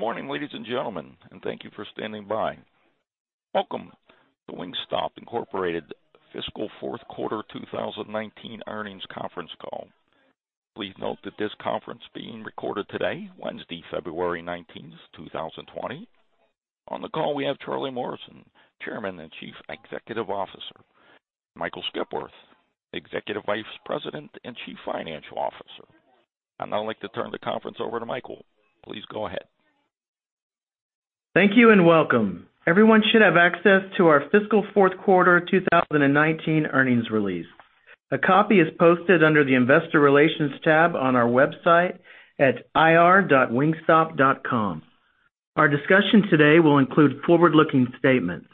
Good morning, ladies and gentlemen. Thank you for standing by. Welcome to Wingstop Incorporated Fiscal Fourth Quarter 2019 Earnings Conference Call. Please note that this conference being recorded today, Wednesday, February 19th, 2020. On the call, we have Charlie Morrison, Chairman and Chief Executive Officer, Michael Skipworth, Executive Vice President and Chief Financial Officer. I'd now like to turn the conference over to Michael. Please go ahead. Thank you. Welcome. Everyone should have access to our fiscal 4th quarter 2019 earnings release. A copy is posted under the Investor Relations tab on our website at ir.wingstop.com. Our discussion today will include forward-looking statements.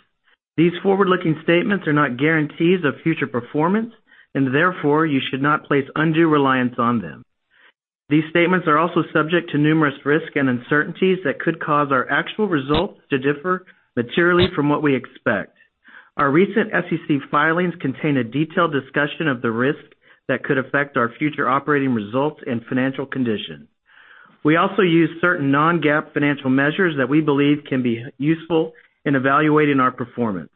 These forward-looking statements are not guarantees of future performance. Therefore, you should not place undue reliance on them. These statements are also subject to numerous risks and uncertainties that could cause our actual results to differ materially from what we expect. Our recent SEC filings contain a detailed discussion of the risks that could affect our future operating results and financial conditions. We also use certain non-GAAP financial measures that we believe can be useful in evaluating our performance.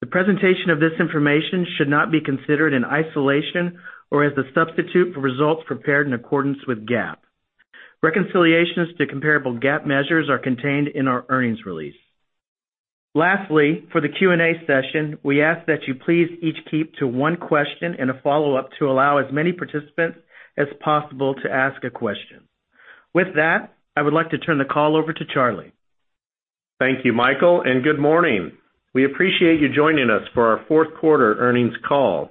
The presentation of this information should not be considered in isolation or as a substitute for results prepared in accordance with GAAP. Reconciliations to comparable GAAP measures are contained in our earnings release. Lastly, for the Q&A session, we ask that you please each keep to one question and a follow-up to allow as many participants as possible to ask a question. With that, I would like to turn the call over to Charlie. Thank you, Michael. Good morning. We appreciate you joining us for our fourth quarter earnings call.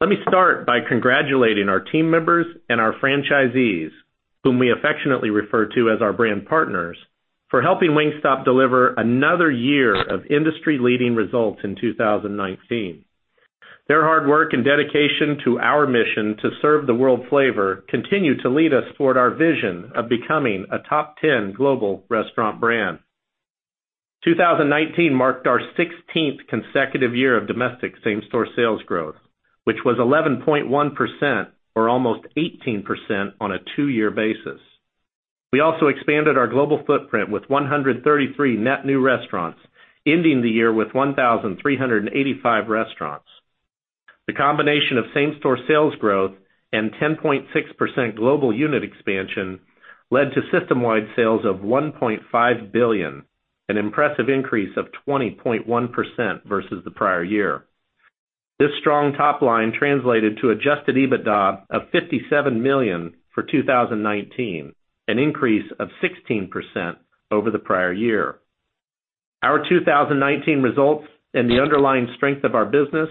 Let me start by congratulating our team members and our franchisees, whom we affectionately refer to as our brand partners, for helping Wingstop deliver another year of industry-leading results in 2019. Their hard work and dedication to our mission to serve the world flavor continue to lead us toward our vision of becoming a top 10 global restaurant brand. 2019 marked our 16th consecutive year of domestic same-store sales growth, which was 11.1% or almost 18% on a two-year basis. We also expanded our global footprint with 133 net new restaurants, ending the year with 1,385 restaurants. The combination of same-store sales growth and 10.6% global unit expansion led to system-wide sales of $1.5 billion, an impressive increase of 20.1% versus the prior year. This strong top line translated to adjusted EBITDA of $57 million for 2019, an increase of 16% over the prior year. Our 2019 results and the underlying strength of our business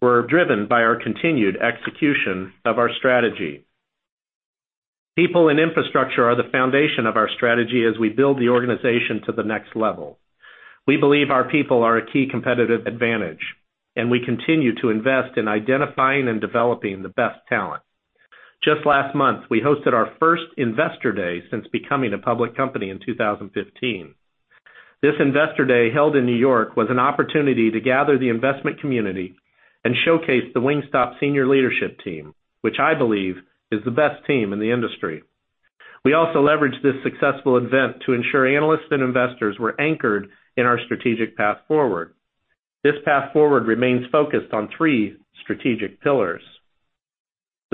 were driven by our continued execution of our strategy. People and infrastructure are the foundation of our strategy as we build the organization to the next level. We believe our people are a key competitive advantage, and we continue to invest in identifying and developing the best talent. Just last month, we hosted our first Investor Day since becoming a public company in 2015. This Investor Day held in New York was an opportunity to gather the investment community and showcase the Wingstop senior leadership team, which I believe is the best team in the industry. We also leveraged this successful event to ensure analysts and investors were anchored in our strategic path forward. This path forward remains focused on three strategic pillars,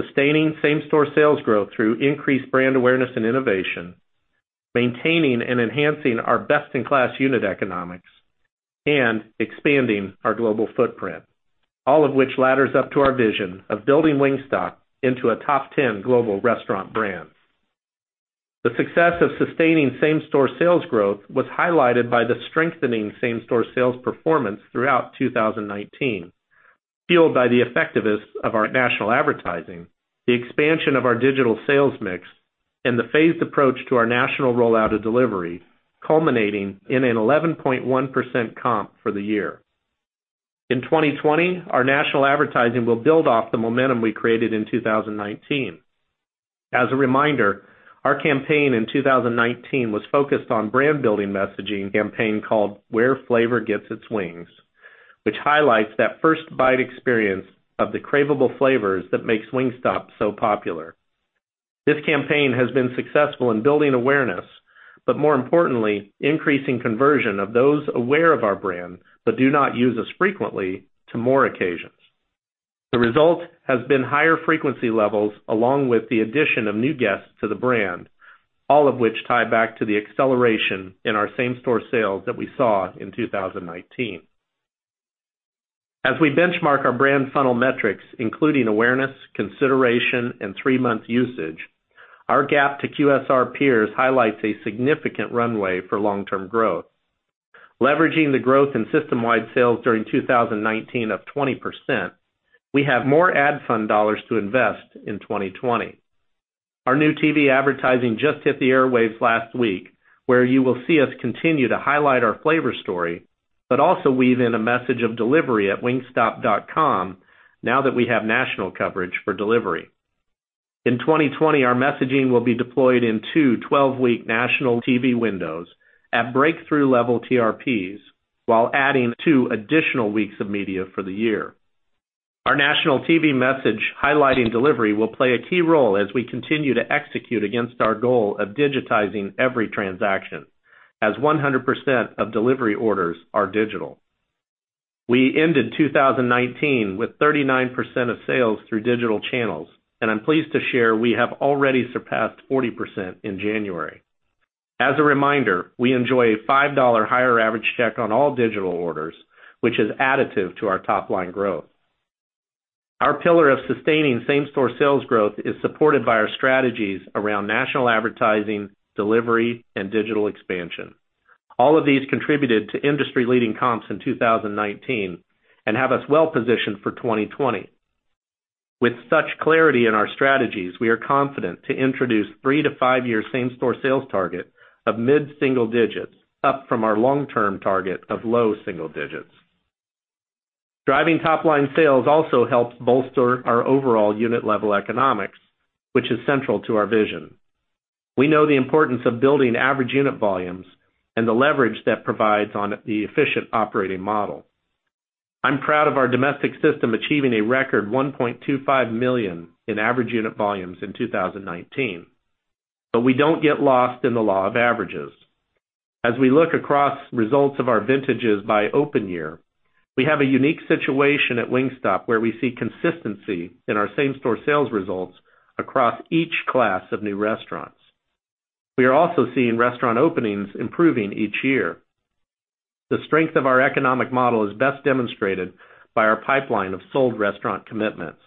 sustaining same-store sales growth through increased brand awareness and innovation, maintaining and enhancing our best-in-class unit economics, and expanding our global footprint, all of which ladders up to our vision of building Wingstop into a top 10 global restaurant brand. The success of sustaining same-store sales growth was highlighted by the strengthening same-store sales performance throughout 2019, fueled by the effectiveness of our national advertising, the expansion of our digital sales mix, and the phased approach to our national rollout of delivery, culminating in an 11.1% comp for the year. In 2020, our national advertising will build off the momentum we created in 2019. As a reminder, our campaign in 2019 was focused on brand building messaging campaign called Where Flavor Gets Its Wings, which highlights that first bite experience of the craveable flavors that makes Wingstop so popular. This campaign has been successful in building awareness, but more importantly, increasing conversion of those aware of our brand but do not use us frequently to more occasions. The result has been higher frequency levels along with the addition of new guests to the brand, all of which tie back to the acceleration in our same-store sales that we saw in 2019. As we benchmark our brand funnel metrics, including awareness, consideration, and three-month usage, our gap to QSR peers highlights a significant runway for long-term growth. Leveraging the growth in system-wide sales during 2019 of 20%, we have more ad fund dollars to invest in 2020. Our new TV advertising just hit the airwaves last week, where you will see us continue to highlight our flavor story, but also weave in a message of delivery at wingstop.com now that we have national coverage for delivery. In 2020, our messaging will be deployed in two 12-week national TV windows at breakthrough level TRPs while adding two additional weeks of media for the year. Our national TV message highlighting delivery will play a key role as we continue to execute against our goal of digitizing every transaction, as 100% of delivery orders are digital. We ended 2019 with 39% of sales through digital channels, I'm pleased to share we have already surpassed 40% in January. As a reminder, we enjoy a $5 higher average check on all digital orders, which is additive to our top-line growth. Our pillar of sustaining same-store sales growth is supported by our strategies around national advertising, delivery, and digital expansion. All of these contributed to industry-leading comps in 2019 and have us well-positioned for 2020. With such clarity in our strategies, we are confident to introduce three to five-year same-store sales target of mid-single digits, up from our long-term target of low single digits. Driving top-line sales also helps bolster our overall unit-level economics, which is central to our vision. We know the importance of building average unit volumes and the leverage that provides on the efficient operating model. I'm proud of our domestic system achieving a record $1.25 million in average unit volumes in 2019. We don't get lost in the law of averages. As we look across results of our vintages by open year, we have a unique situation at Wingstop, where we see consistency in our same-store sales results across each class of new restaurants. We are also seeing restaurant openings improving each year. The strength of our economic model is best demonstrated by our pipeline of sold restaurant commitments.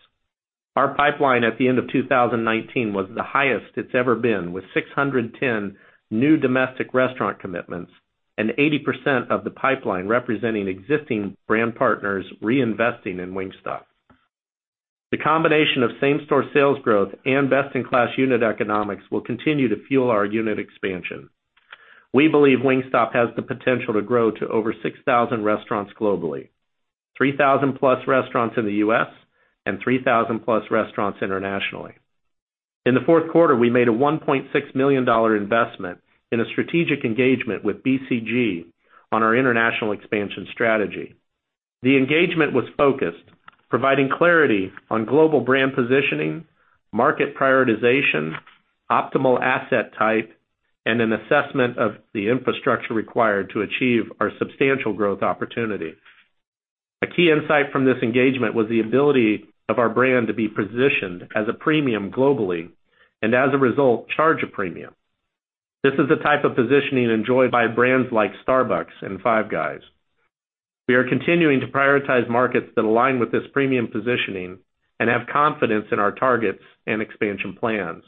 Our pipeline at the end of 2019 was the highest it's ever been, with 610 new domestic restaurant commitments and 80% of the pipeline representing existing brand partners reinvesting in Wingstop. The combination of same-store sales growth and best-in-class unit economics will continue to fuel our unit expansion. We believe Wingstop has the potential to grow to over 6,000 restaurants globally, 3,000+ restaurants in the U.S. and 3,000+ restaurants internationally. In the fourth quarter, we made a $1.6 million investment in a strategic engagement with BCG on our international expansion strategy. The engagement was focused, providing clarity on global brand positioning, market prioritization, optimal asset type, and an assessment of the infrastructure required to achieve our substantial growth opportunity. A key insight from this engagement was the ability of our brand to be positioned as a premium globally and, as a result, charge a premium. This is the type of positioning enjoyed by brands like Starbucks and Five Guys. We are continuing to prioritize markets that align with this premium positioning and have confidence in our targets and expansion plans.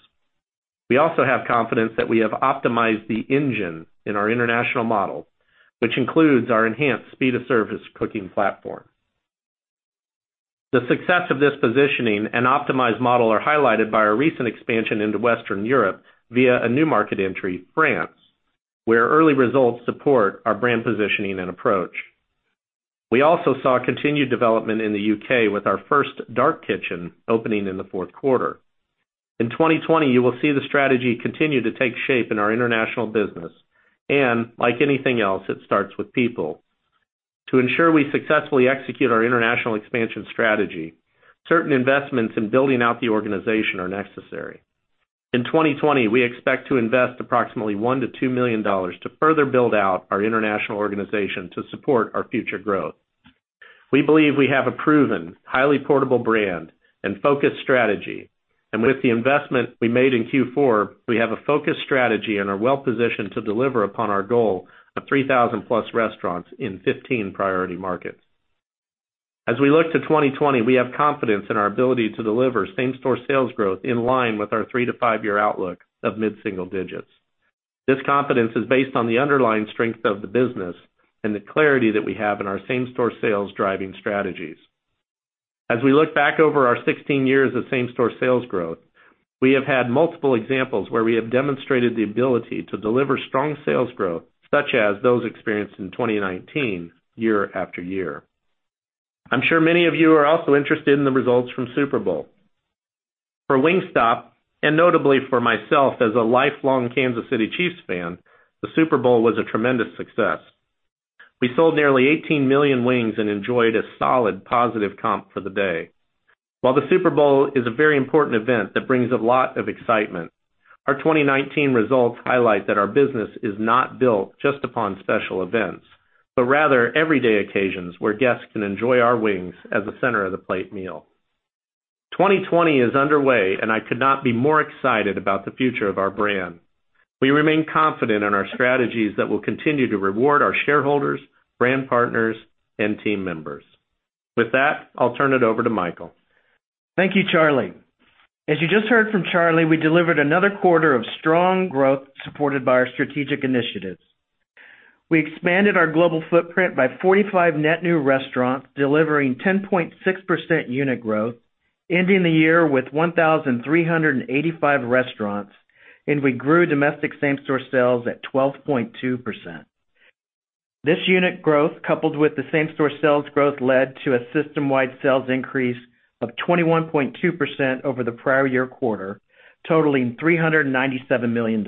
We also have confidence that we have optimized the engine in our international model, which includes our enhanced speed of service cooking platform. The success of this positioning and optimized model are highlighted by our recent expansion into Western Europe via a new market entry, France, where early results support our brand positioning and approach. We also saw continued development in the U.K. with our first dark kitchen opening in the fourth quarter. In 2020, you will see the strategy continue to take shape in our international business, and like anything else, it starts with people. To ensure we successfully execute our international expansion strategy, certain investments in building out the organization are necessary. In 2020, we expect to invest approximately $1 million-$2 million to further build out our international organization to support our future growth. We believe we have a proven, highly portable brand and focused strategy, and with the investment we made in Q4, we have a focused strategy and are well-positioned to deliver upon our goal of 3,000 plus restaurants in 15 priority markets. As we look to 2020, we have confidence in our ability to deliver same-store sales growth in line with our three to five-year outlook of mid-single digits. This confidence is based on the underlying strength of the business and the clarity that we have in our same-store sales driving strategies. As we look back over our 16 years of same-store sales growth, we have had multiple examples where we have demonstrated the ability to deliver strong sales growth, such as those experienced in 2019 year after year. I'm sure many of you are also interested in the results from Super Bowl. For Wingstop, and notably for myself as a lifelong Kansas City Chiefs fan, the Super Bowl was a tremendous success. We sold nearly 18 million wings and enjoyed a solid positive comp for the day. While the Super Bowl is a very important event that brings a lot of excitement, our 2019 results highlight that our business is not built just upon special events, but rather everyday occasions where guests can enjoy our wings as a center of the plate meal. 2020 is underway. I could not be more excited about the future of our brand. We remain confident in our strategies that will continue to reward our shareholders, brand partners, and team members. With that, I'll turn it over to Michael. Thank you, Charlie. As you just heard from Charlie, we delivered another quarter of strong growth supported by our strategic initiatives. We expanded our global footprint by 45 net new restaurants, delivering 10.6% unit growth, ending the year with 1,385 restaurants, and we grew domestic same-store sales at 12.2%. This unit growth, coupled with the same-store sales growth, led to a system-wide sales increase of 21.2% over the prior year quarter, totaling $397 million.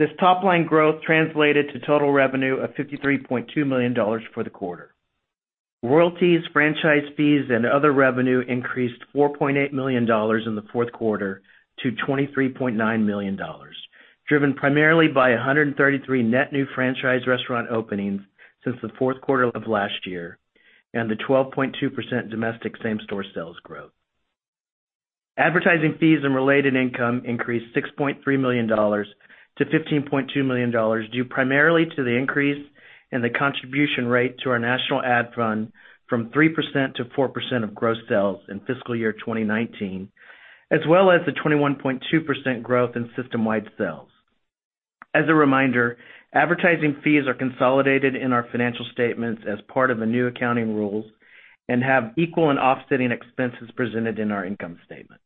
This top line growth translated to total revenue of $53.2 million for the quarter. Royalties, franchise fees, and other revenue increased $4.8 million in the fourth quarter to $23.9 million, driven primarily by 133 net new franchise restaurant openings since the fourth quarter of last year and the 12.2% domestic same-store sales growth. Advertising fees and related income increased $6.3 million to $15.2 million due primarily to the increase in the contribution rate to our national ad fund from 3% to 4% of gross sales in fiscal year 2019, as well as the 21.2% growth in system-wide sales. As a reminder, advertising fees are consolidated in our financial statements as part of the new accounting rules and have equal and offsetting expenses presented in our income statement.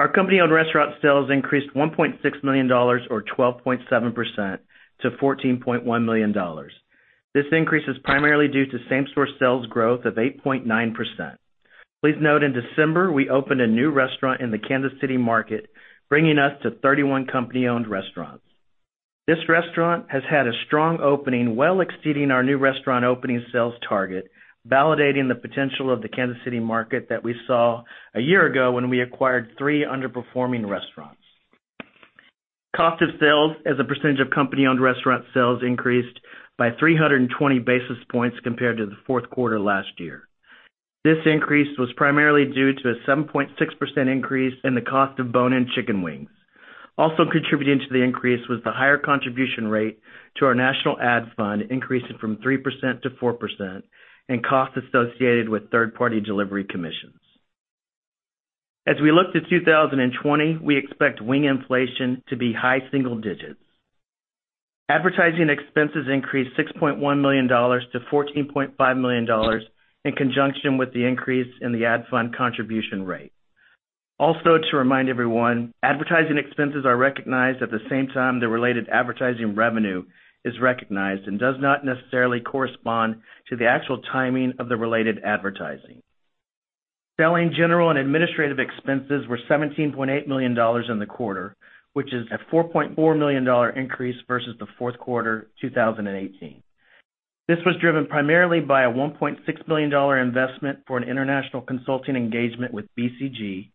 Our company-owned restaurant sales increased $1.6 million or 12.7% to $14.1 million. This increase is primarily due to same-store sales growth of 8.9%. Please note in December, we opened a new restaurant in the Kansas City market, bringing us to 31 company-owned restaurants. This restaurant has had a strong opening, well exceeding our new restaurant opening sales target, validating the potential of the Kansas City market that we saw a year ago when we acquired three underperforming restaurants. Cost of sales as a percentage of company-owned restaurant sales increased by 320 basis points compared to the fourth quarter last year. This increase was primarily due to a 7.6% increase in the cost of bone-in chicken wings. Also contributing to the increase was the higher contribution rate to our national ads fund, increasing from 3%-4% and costs associated with third-party delivery commissions. As we look to 2020, we expect wing inflation to be high single digits. Advertising expenses increased $6.1 million to $14.5 million in conjunction with the increase in the ad fund contribution rate. To remind everyone, advertising expenses are recognized at the same time the related advertising revenue is recognized and does not necessarily correspond to the actual timing of the related advertising. Selling, general and administrative expenses were $17.8 million in the quarter, which is a $4.4 million increase versus the fourth quarter 2018. This was driven primarily by a $1.6 million investment for an international consulting engagement with BCG,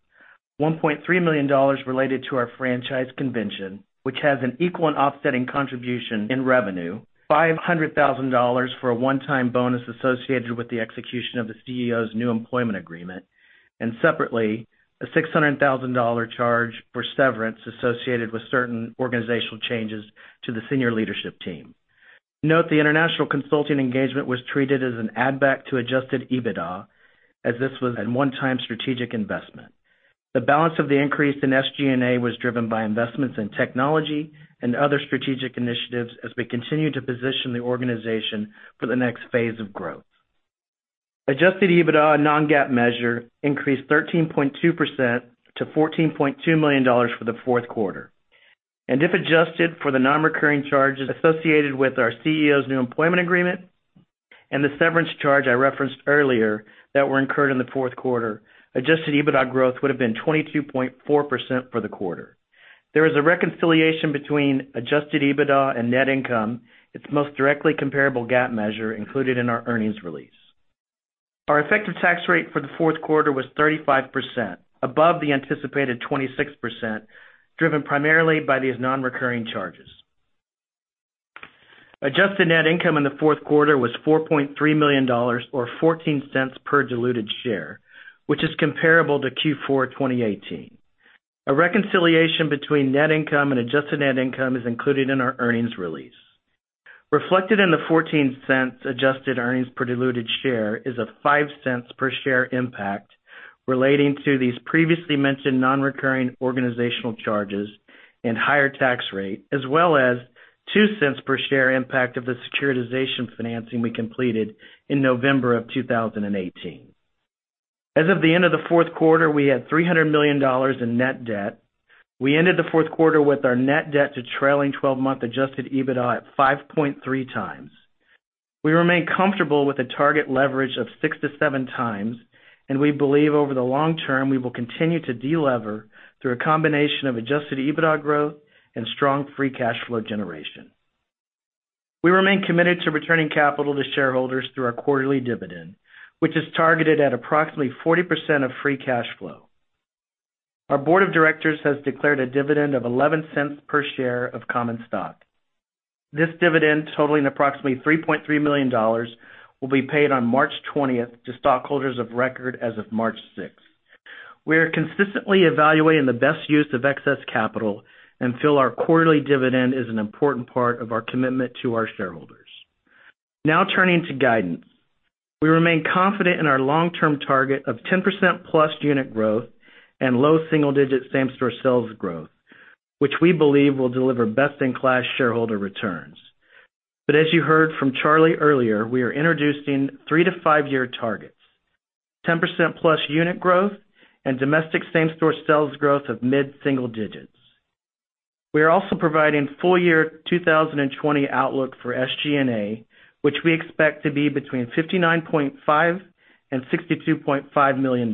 $1.3 million related to our franchise convention, which has an equal and offsetting contribution in revenue, $500,000 for a one-time bonus associated with the execution of the CEO's new employment agreement, and separately, a $600,000 charge for severance associated with certain organizational changes to the senior leadership team. Note the international consulting engagement was treated as an add back to adjusted EBITDA as this was a one-time strategic investment. The balance of the increase in SG&A was driven by investments in technology and other strategic initiatives as we continue to position the organization for the next phase of growth. Adjusted EBITDA non-GAAP measure increased 13.2% to $14.2 million for the fourth quarter. If adjusted for the non-recurring charges associated with our CEO's new employment agreement and the severance charge I referenced earlier that were incurred in the fourth quarter, adjusted EBITDA growth would have been 22.4% for the quarter. There is a reconciliation between adjusted EBITDA and net income, its most directly comparable GAAP measure included in our earnings release. Our effective tax rate for the fourth quarter was 35%, above the anticipated 26%, driven primarily by these non-recurring charges. Adjusted net income in the fourth quarter was $4.3 million or $0.14 per diluted share, which is comparable to Q4 2018. A reconciliation between net income and adjusted net income is included in our earnings release. Reflected in the $0.14 adjusted earnings per diluted share is a $0.05 per share impact relating to these previously mentioned non-recurring organizational charges and higher tax rate, as well as $0.02 per share impact of the securitization financing we completed in November of 2018. As of the end of the fourth quarter, we had $300 million in net debt. We ended the fourth quarter with our net debt to trailing 12 month adjusted EBITDA at 5.3x. We remain comfortable with the target leverage of 6x-7x, and we believe over the long term, we will continue to delever through a combination of adjusted EBITDA growth and strong free cash flow generation. We remain committed to returning capital to shareholders through our quarterly dividend, which is targeted at approximately 40% of free cash flow. Our board of directors has declared a dividend of $0.11 per share of common stock. This dividend, totaling approximately $3.3 million, will be paid on March 20th to stockholders of record as of March 6th. We are consistently evaluating the best use of excess capital and feel our quarterly dividend is an important part of our commitment to our shareholders. Turning to guidance. We remain confident in our long-term target of 10%+ unit growth and low single digit same-store sales growth, which we believe will deliver best-in-class shareholder returns. As you heard from Charlie earlier, we are introducing three to five-year targets, 10%+ unit growth and domestic same-store sales growth of mid-single digits. We are also providing full year 2020 outlook for SG&A, which we expect to be between $59.5 million and $62.5 million.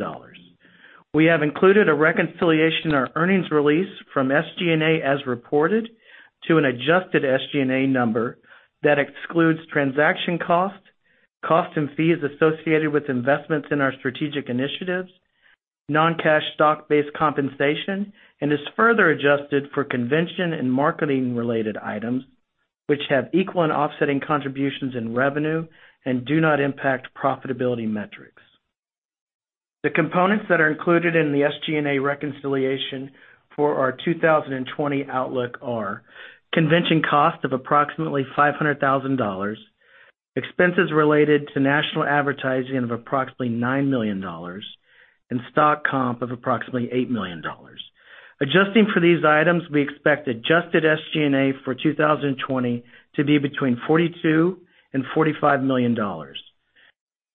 We have included a reconciliation in our earnings release from SG&A as reported to an adjusted SG&A number that excludes transaction costs and fees associated with investments in our strategic initiatives, non-cash stock-based compensation, is further adjusted for convention and marketing related items, which have equal and offsetting contributions in revenue and do not impact profitability metrics. The components that are included in the SG&A reconciliation for our 2020 outlook are convention cost of approximately $500,000, expenses related to national advertising of approximately $9 million, stock comp of approximately $8 million. Adjusting for these items, we expect adjusted SG&A for 2020 to be between $42 million and $45 million.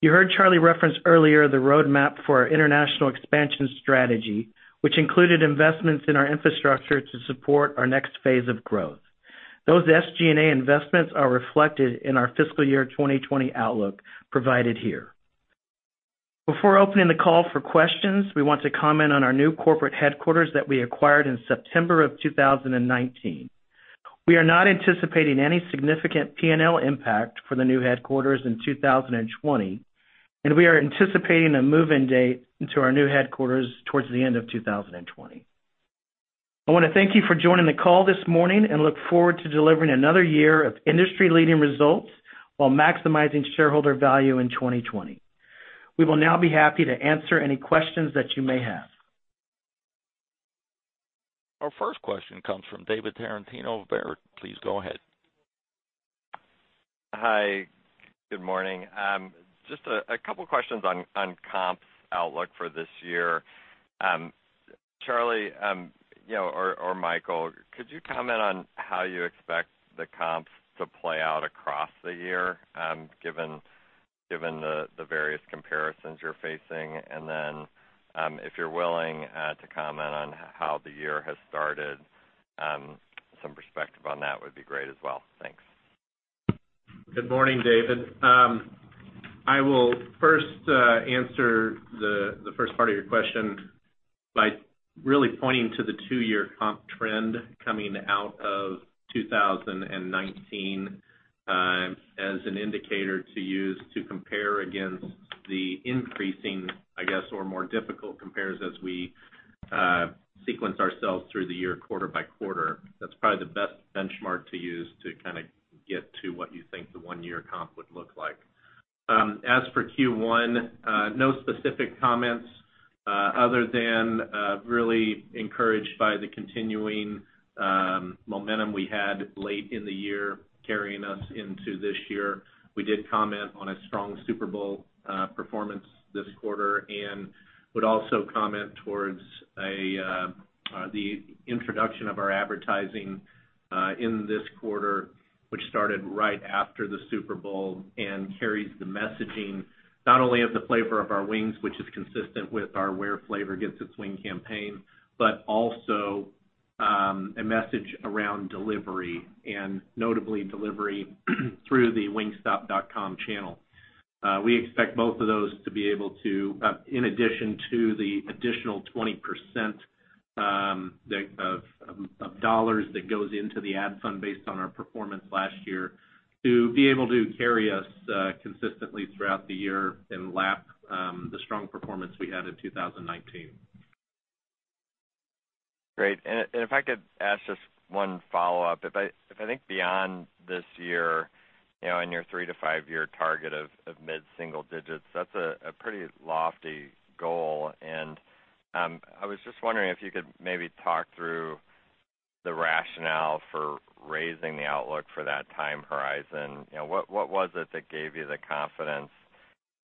You heard Charlie reference earlier the roadmap for our international expansion strategy, which included investments in our infrastructure to support our next phase of growth. Those SG&A investments are reflected in our fiscal year 2020 outlook provided here. Before opening the call for questions, we want to comment on our new corporate headquarters that we acquired in September of 2019. We are not anticipating any significant P&L impact for the new headquarters in 2020, and we are anticipating a move-in date into our new headquarters towards the end of 2020. I want to thank you for joining the call this morning and look forward to delivering another year of industry-leading results while maximizing shareholder value in 2020. We will now be happy to answer any questions that you may have. Our first question comes from David Tarantino of Baird. Please go ahead. Hi, good morning. Just a couple questions on comps outlook for this year. Charlie, you know, or Michael, could you comment on how you expect the comps to play out across the year, given the various comparisons you're facing? Then if you're willing, to comment on how the year has started, some perspective on that would be great as well. Thanks. Good morning, David. I will first answer the first part of your question by really pointing to the two-year comp trend coming out of 2019 as an indicator to use to compare against the increasing, I guess, or more difficult compares as we sequence ourselves through the year quarter by quarter. That's probably the best benchmark to use to kind of get to what you think the one-year comp would look like. As for Q1, no specific comments other than really encouraged by the continuing momentum we had late in the year carrying us into this year. We did comment on a strong Super Bowl performance this quarter, and would also comment towards the introduction of our advertising in this quarter, which started right after the Super Bowl and carries the messaging not only of the flavor of our wings, which is consistent with our Where Flavor Gets Its Wings campaign, but also a message around delivery and notably delivery through the wingstop.com channel. We expect both of those to be able to, in addition to the additional 20% of dollars that goes into the ad fund based on our performance last year, to be able to carry us consistently throughout the year and lap the strong performance we had in 2019. Great. If I could ask just one follow-up. If I think beyond this year, you know, in your three to five-year target of mid-single digits, that's a pretty lofty goal. I was just wondering if you could maybe talk through the rationale for raising the outlook for that time horizon. You know, what was it that gave you the confidence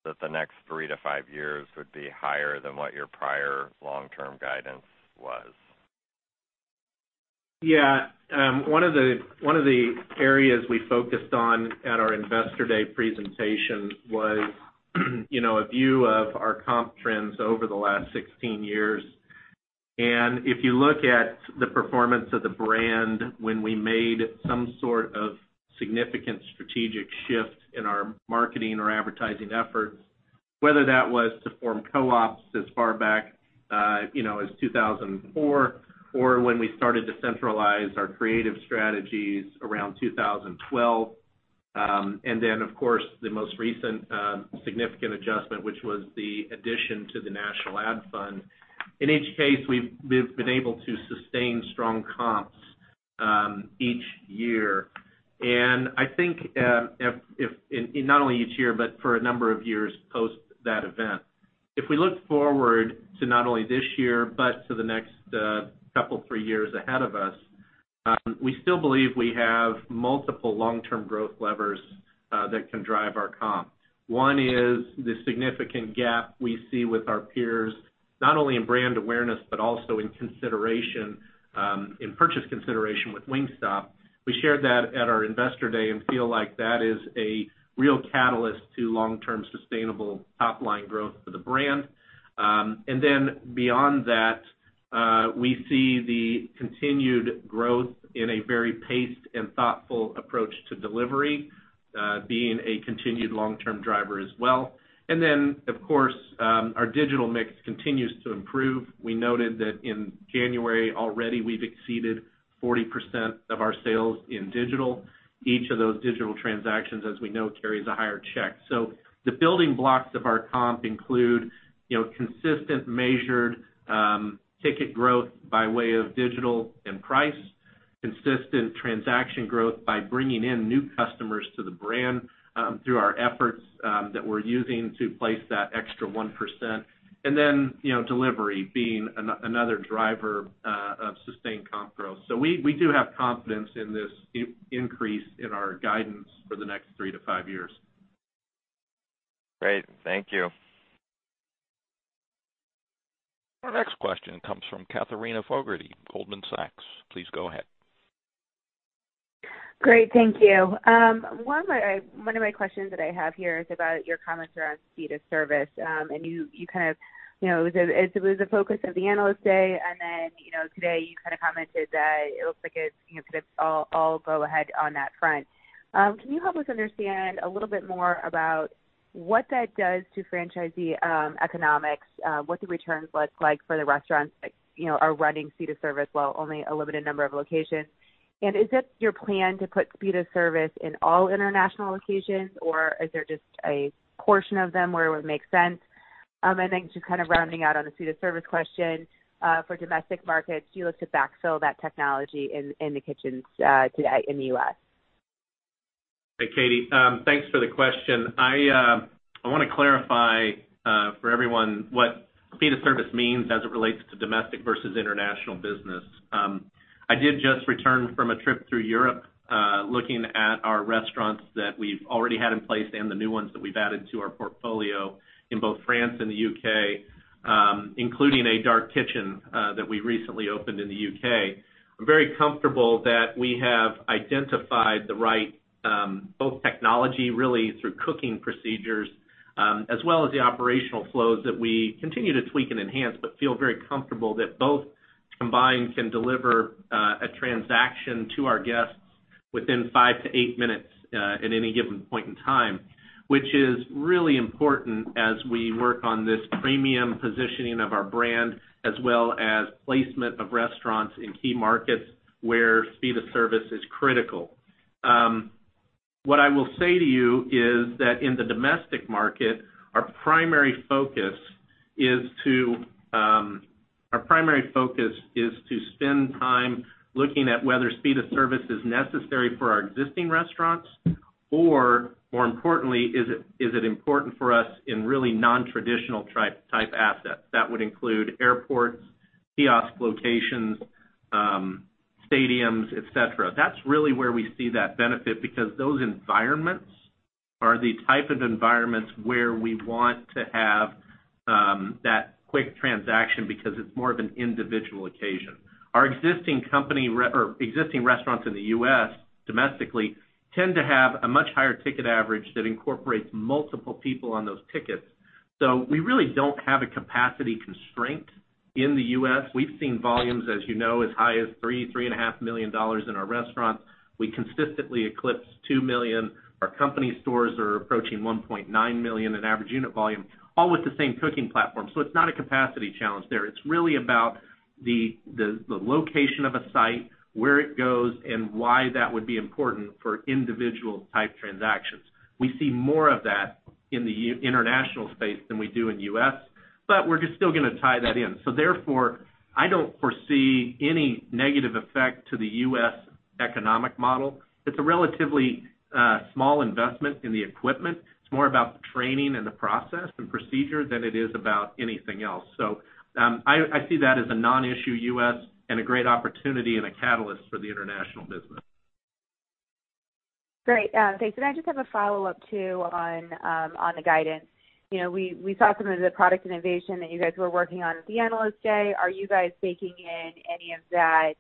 that the next three to five years would be higher than what your prior long-term guidance was? Yeah. One of the areas we focused on at our Investor Day presentation was, you know, a view of our comp trends over the last 16 years. If you look at the performance of the brand when we made some sort of significant strategic shift in our marketing or advertising efforts, whether that was to form co-ops as far back, you know, as 2004, or when we started to centralize our creative strategies around 2012. Of course, the most recent significant adjustment, which was the addition to the national ad fund. In each case, we've been able to sustain strong comps each year, and I think in not only each year but for a number of years post that event. If we look forward to not only this year but to the next, two, three years ahead of us, we still believe we have multiple long-term growth levers that can drive our comp. One is the significant gap we see with our peers, not only in brand awareness, but also in consideration, in purchase consideration with Wingstop. We shared that at our Investor Day and feel like that is a real catalyst to long-term sustainable top-line growth for the brand. Beyond that, we see the continued growth in a very paced and thoughtful approach to delivery, being a continued long-term driver as well. Of course, our digital mix continues to improve. We noted that in January already we've exceeded 40% of our sales in digital. Each of those digital transactions, as we know, carries a higher check. The building blocks of our comp include, you know, consistent measured, ticket growth by way of digital and price, consistent transaction growth by bringing in new customers to the brand, through our efforts, that we're using to place that extra 1%, delivery being another driver of sustained comp growth. We do have confidence in this increase in our guidance for the next three to five years. Great, thank you. Our next question comes from Katherine Fogertey, Goldman Sachs. Please go ahead. Great. Thank you. One of my questions that I have here is about your comments around speed of service. You kind of, you know, it was a focus of the Analyst Day, then, you know, today you kind of commented that it looks like it's, you know, sort of all go ahead on that front. Can you help us understand a little bit more about what that does to franchisee economics? What the returns look like for the restaurants that, you know, are running speed of service while only a limited number of locations. Is it your plan to put speed of service in all international locations or is there just a portion of them where it would make sense? Just kind of rounding out on the speed of service question, for domestic markets, do you look to backfill that technology in the kitchens, today in the U.S.? Hey, Katie, thanks for the question. I wanna clarify for everyone what speed of service means as it relates to domestic versus international business. I did just return from a trip through Europe, looking at our restaurants that we've already had in place and the new ones that we've added to our portfolio in both France and the U.K., including a dark kitchen that we recently opened in the U.K. I'm very comfortable that we have identified the right, both technology really through cooking procedures, as well as the operational flows that we continue to tweak and enhance. Feel very comfortable that both combined can deliver a transaction to our guests within five to eight minutes at any given point in time, which is really important as we work on this premium positioning of our brand, as well as placement of restaurants in key markets where speed of service is critical. What I will say to you is that in the domestic market, our primary focus is to spend time looking at whether speed of service is necessary for our existing restaurants, or more importantly, is it important for us in really non-traditional type assets? That would include airports, kiosk locations, stadiums, et cetera. That's really where we see that benefit because those environments are the type of environments where we want to have that quick transaction because it's more of an individual occasion. Our existing restaurants in the U.S., domestically, tend to have a much higher ticket average that incorporates multiple people on those tickets. We really don't have a capacity constraint in the U.S. We've seen volumes, as you know, as high as $3 million-$3.5 million in our restaurants. We consistently eclipse $2 million. Our company stores are approaching $1.9 million in average unit volume, all with the same cooking platform. It's not a capacity challenge there. It's really about the location of a site, where it goes, and why that would be important for individual-type transactions. We see more of that in the international space than we do in U.S. We're just still going to tie that in. Therefore, I don't foresee any negative effect to the U.S. economic model. It's a relatively small investment in the equipment. It's more about the training and the process and procedure than it is about anything else. I see that as a non-issue U.S., and a great opportunity and a catalyst for the international business. Great. Thanks. I just have a follow-up too on the guidance. You know, we saw some of the product innovation that you guys were working on at the Analyst Day. Are you guys baking in any of that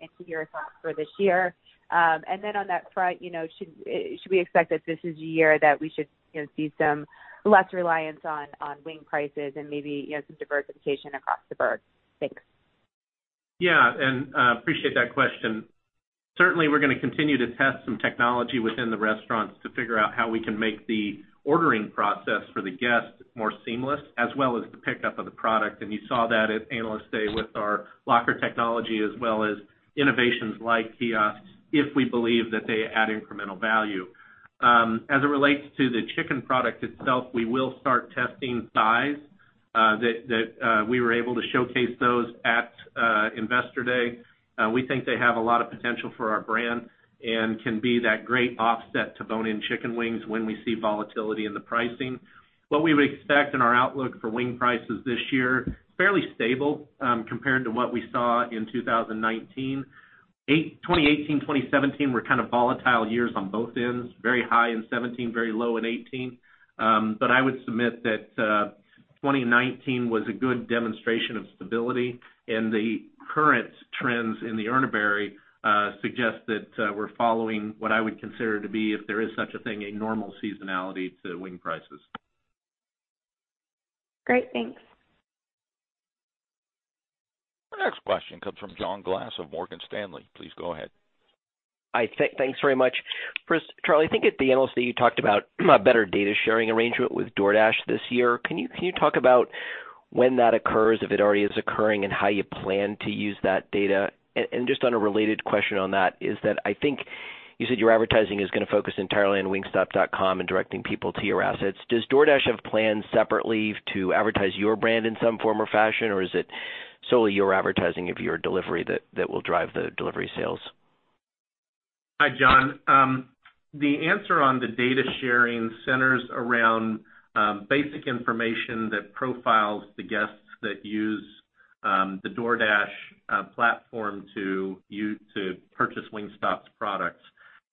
into your thoughts for this year? Then on that front, you know, should we expect that this is the year that we should, you know, see some less reliance on wing prices and maybe, you know, some diversification across the board? Thanks. Yeah. Appreciate that question. Certainly, we're going to continue to test some technology within the restaurants to figure out how we can make the ordering process for the guests more seamless, as well as the pickup of the product. You saw that at Analyst Day with our locker technology as well as innovations like kiosks, if we believe that they add incremental value. As it relates to the chicken product itself, we will start testing thighs that we were able to showcase those at Investor Day. We think they have a lot of potential for our brand and can be that great offset to bone-in chicken wings when we see volatility in the pricing. What we would expect in our outlook for wing prices this year, fairly stable, compared to what we saw in 2019. 2018, 2017 were kind of volatile years on both ends. Very high in 2017, very low in 2018. I would submit that 2019 was a good demonstration of stability, and the current trends in the Urner Barry suggest that we're following what I would consider to be, if there is such a thing, a normal seasonality to wing prices. Great. Thanks. Our next question comes from John Glass of Morgan Stanley. Please go ahead. Hi, thanks very much. First, Charlie, I think at the Analyst Day, you talked about a better data sharing arrangement with DoorDash this year. Can you talk about when that occurs, if it already is occurring, and how you plan to use that data? Just on a related question on that is that I think you said your advertising is gonna focus entirely on wingstop.com and directing people to your assets. Does DoorDash have plans separately to advertise your brand in some form or fashion? Is it solely your advertising of your delivery that will drive the delivery sales? Hi, John. The answer on the data sharing centers around basic information that profiles the guests that use the DoorDash platform to purchase Wingstop's products.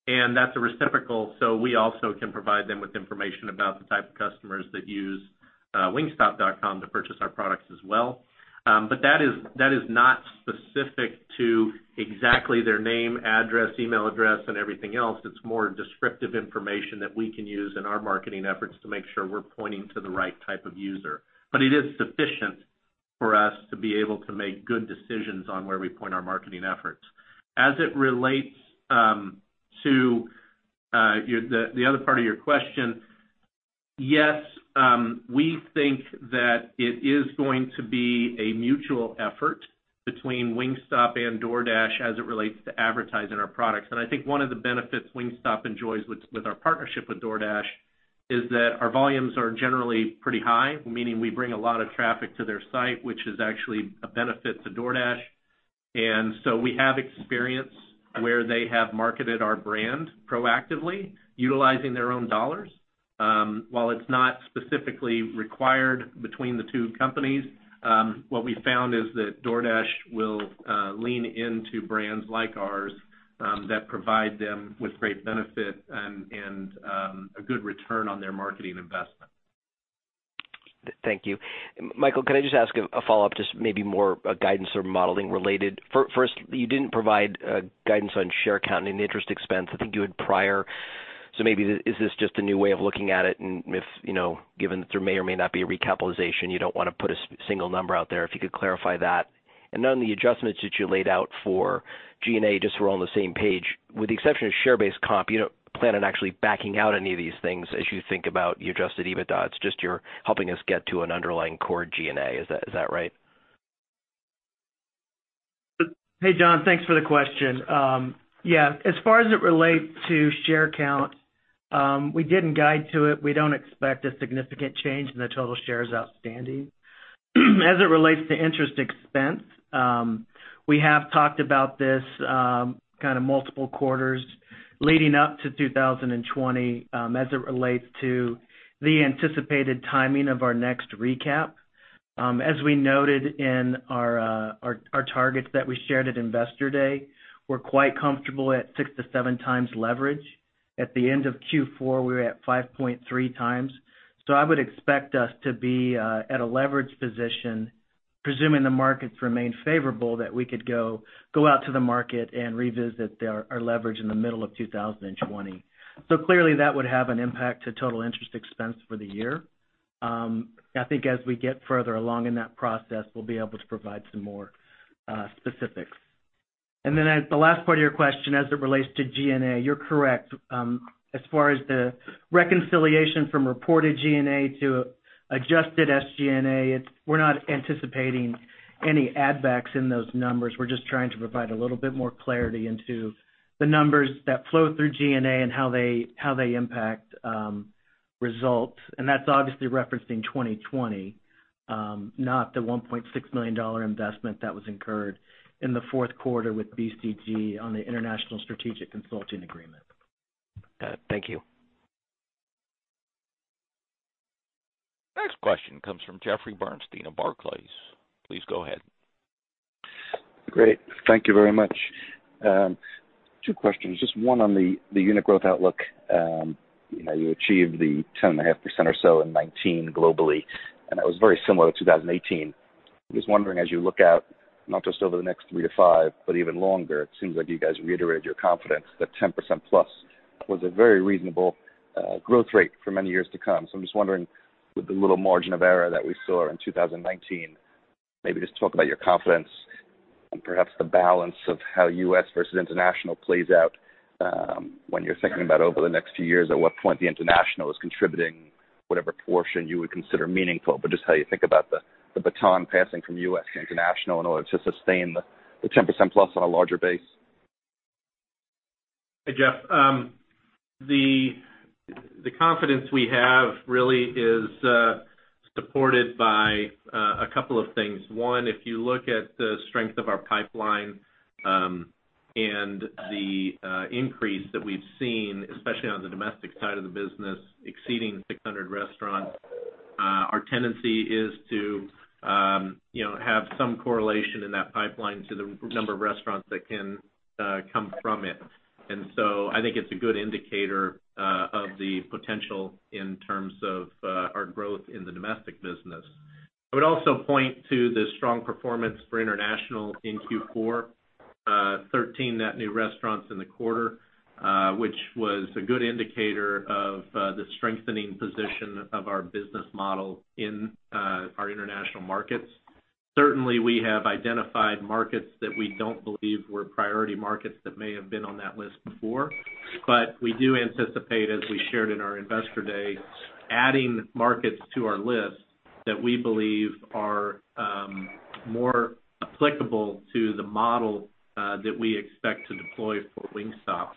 That's a reciprocal, we also can provide them with information about the type of customers that use wingstop.com to purchase our products as well. That is not specific to exactly their name, address, email address, and everything else. It's more descriptive information that we can use in our marketing efforts to make sure we're pointing to the right type of user. It is sufficient for us to be able to make good decisions on where we point our marketing efforts. As it relates to the other part of your question, yes, we think that it is going to be a mutual effort between Wingstop and DoorDash as it relates to advertising our products. I think one of the benefits Wingstop enjoys with our partnership with DoorDash is that our volumes are generally pretty high, meaning we bring a lot of traffic to their site, which is actually a benefit to DoorDash. We have experience where they have marketed our brand proactively, utilizing their own dollars. While it's not specifically required between the two companies, what we found is that DoorDash will lean into brands like ours that provide them with great benefit and a good return on their marketing investment. Thank you. Michael, can I just ask a follow-up, just maybe more a guidance or modeling-related. First, you didn't provide guidance on share count and interest expense. I think you had prior. Maybe is this just a new way of looking at it? If, you know, given that there may or may not be a recapitalization, you don't want to put a single number out there, if you could clarify that. Then on the adjustments that you laid out for G&A, just so we're on the same page, with the exception of share-based comp, you don't plan on actually backing out any of these things as you think about the adjusted EBITDA. It's just you're helping us get to an underlying core G&A. Is that right? Hey, John. Thanks for the question. As far as it relates to share count, we didn't guide to it. We don't expect a significant change in the total shares outstanding. As it relates to interest expense, we have talked about this kind of multiple quarters leading up to 2020, as it relates to the anticipated timing of our next recap. As we noted in our targets that we shared at Investor Day, we're quite comfortable at 6 to 7x leverage. At the end of Q4, we were at 5.3x I would expect us to be at a leverage position, presuming the markets remain favorable, that we could go out to the market and revisit our leverage in the middle of 2020. Clearly, that would have an impact to total interest expense for the year. I think as we get further along in that process, we'll be able to provide some more specifics. At the last part of your question, as it relates to G&A, you're correct. As far as the reconciliation from reported G&A to adjusted SG&A, we're not anticipating any add backs in those numbers. We're just trying to provide a little bit more clarity into the numbers that flow through G&A and how they impact results. That's obviously referencing 2020, not the $1.6 million investment that was incurred in the fourth quarter with BCG on the international strategic consulting agreement. Got it. Thank you. Next question comes from Jeffrey Bernstein of Barclays. Please go ahead. Great. Thank you very much. Two questions. Just one on the unit growth outlook. You know, you achieved the 10.5% or so in 19 globally, and that was very similar to 2018. I was wondering as you look out, not just over the next three to five, but even longer, it seems like you guys reiterated your confidence that 10% plus was a very reasonable growth rate for many years to come. I'm just wondering, with the little margin of error that we saw in 2019, maybe just talk about your confidence and perhaps the balance of how U.S. versus international plays out, when you're thinking about over the next few years, at what point the international is contributing whatever portion you would consider meaningful. Just how you think about the baton passing from U.S. to international in order to sustain the 10%+ on a larger base. Hey, Jeff. The confidence we have really is supported by a couple of things. One, if you look at the strength of our pipeline, and the increase that we've seen, especially on the domestic side of the business, exceeding 600 restaurants, our tendency is to, you know, have some correlation in that pipeline to the number of restaurants that can come from it. I think it's a good indicator of the potential in terms of our growth in the domestic business. I would also point to the strong performance for international in Q4. Thirteen net new restaurants in the quarter, which was a good indicator of the strengthening position of our business model in our international markets. Certainly, we have identified markets that we don't believe were priority markets that may have been on that list before. We do anticipate, as we shared in our Investor Day, adding markets to our list that we believe are more applicable to the model that we expect to deploy for Wingstop.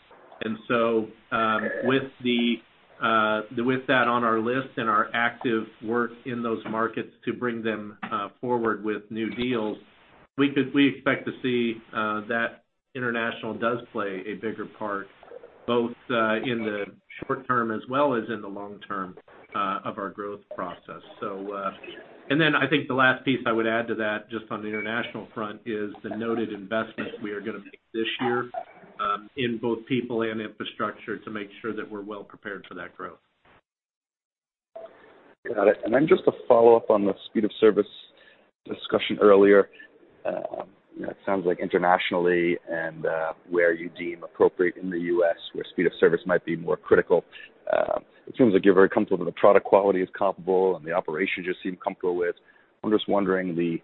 With that on our list and our active work in those markets to bring them forward with new deals, we expect to see that international does play a bigger part, both in the short term as well as in the long term of our growth process. I think the last piece I would add to that, just on the international front, is the noted investment we are going to make this year, in both people and infrastructure to make sure that we're well-prepared for that growth. Got it. Just to follow up on the speed of service discussion earlier. you know, it sounds like internationally and where you deem appropriate in the U.S., where speed of service might be more critical. It seems like you're very comfortable that the product quality is comparable and the operations you seem comfortable with. I'm just wondering the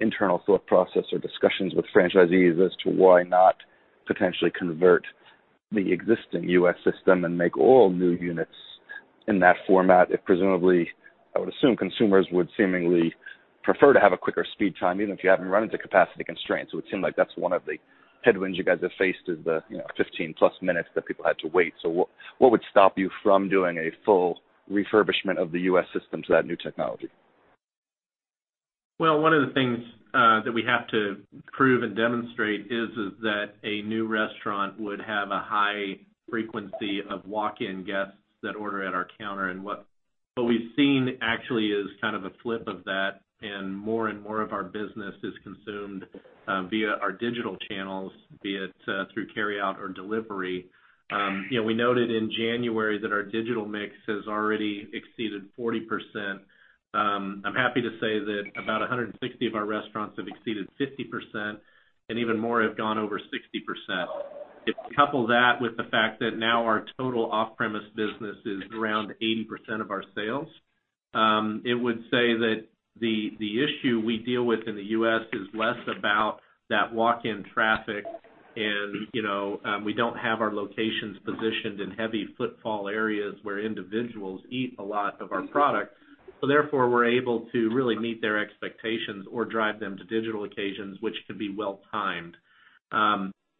internal thought process or discussions with franchisees as to why not potentially convert the existing U.S. system and make all new units in that format, if presumably, I would assume consumers would seemingly prefer to have a quicker speed time, even if you haven't run into capacity constraints. It seems like that's one of the headwinds you guys have faced is the, you know, 15+ minutes that people had to wait? What would stop you from doing a full refurbishment of the U.S. system to that new technology? Well, one of the things that we have to prove and demonstrate is that a new restaurant would have a high frequency of walk-in guests that order at our counter. What we've seen actually is kind of a flip of that, and more and more of our business is consumed via our digital channels, be it through carryout or delivery. You know, we noted in January that our digital mix has already exceeded 40%. I'm happy to say that about 160 of our restaurants have exceeded 50%, and even more have gone over 60%. If you couple that with the fact that now our total off-premise business is around 80% of our sales, it would say that the issue we deal with in the U.S. is less about that walk-in traffic and, you know, we don't have our locations positioned in heavy footfall areas where individuals eat a lot of our product. Therefore, we're able to really meet their expectations or drive them to digital occasions, which can be well timed.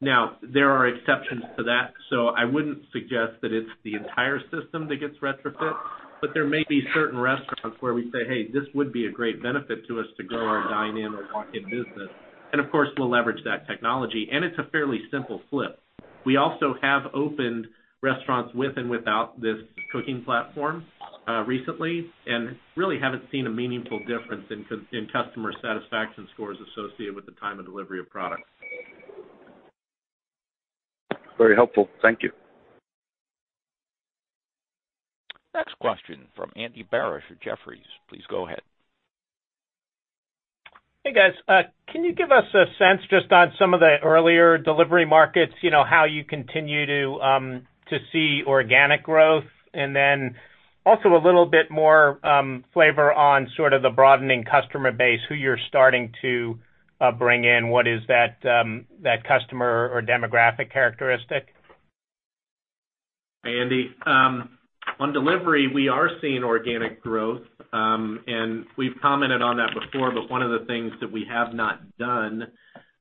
Now, there are exceptions to that, so I wouldn't suggest that it's the entire system that gets retrofit. There may be certain restaurants where we say, "Hey, this would be a great benefit to us to grow our dine-in or walk-in business." Of course, we'll leverage that technology, and it's a fairly simple flip. We also have opened restaurants with and without this cooking platform, recently, really haven't seen a meaningful difference in customer satisfaction scores associated with the time and delivery of products. Very helpful. Thank you. Next question from Andy Barish at Jefferies. Please go ahead. Hey, guys. Can you give us a sense just on some of the earlier delivery markets, you know, how you continue to to see organic growth? Then also a little bit more flavor on sort of the broadening customer base, who you're starting to bring in. What is that that customer or demographic characteristic? Andy, on delivery, we are seeing organic growth. We've commented on that before, but one of the things that we have not done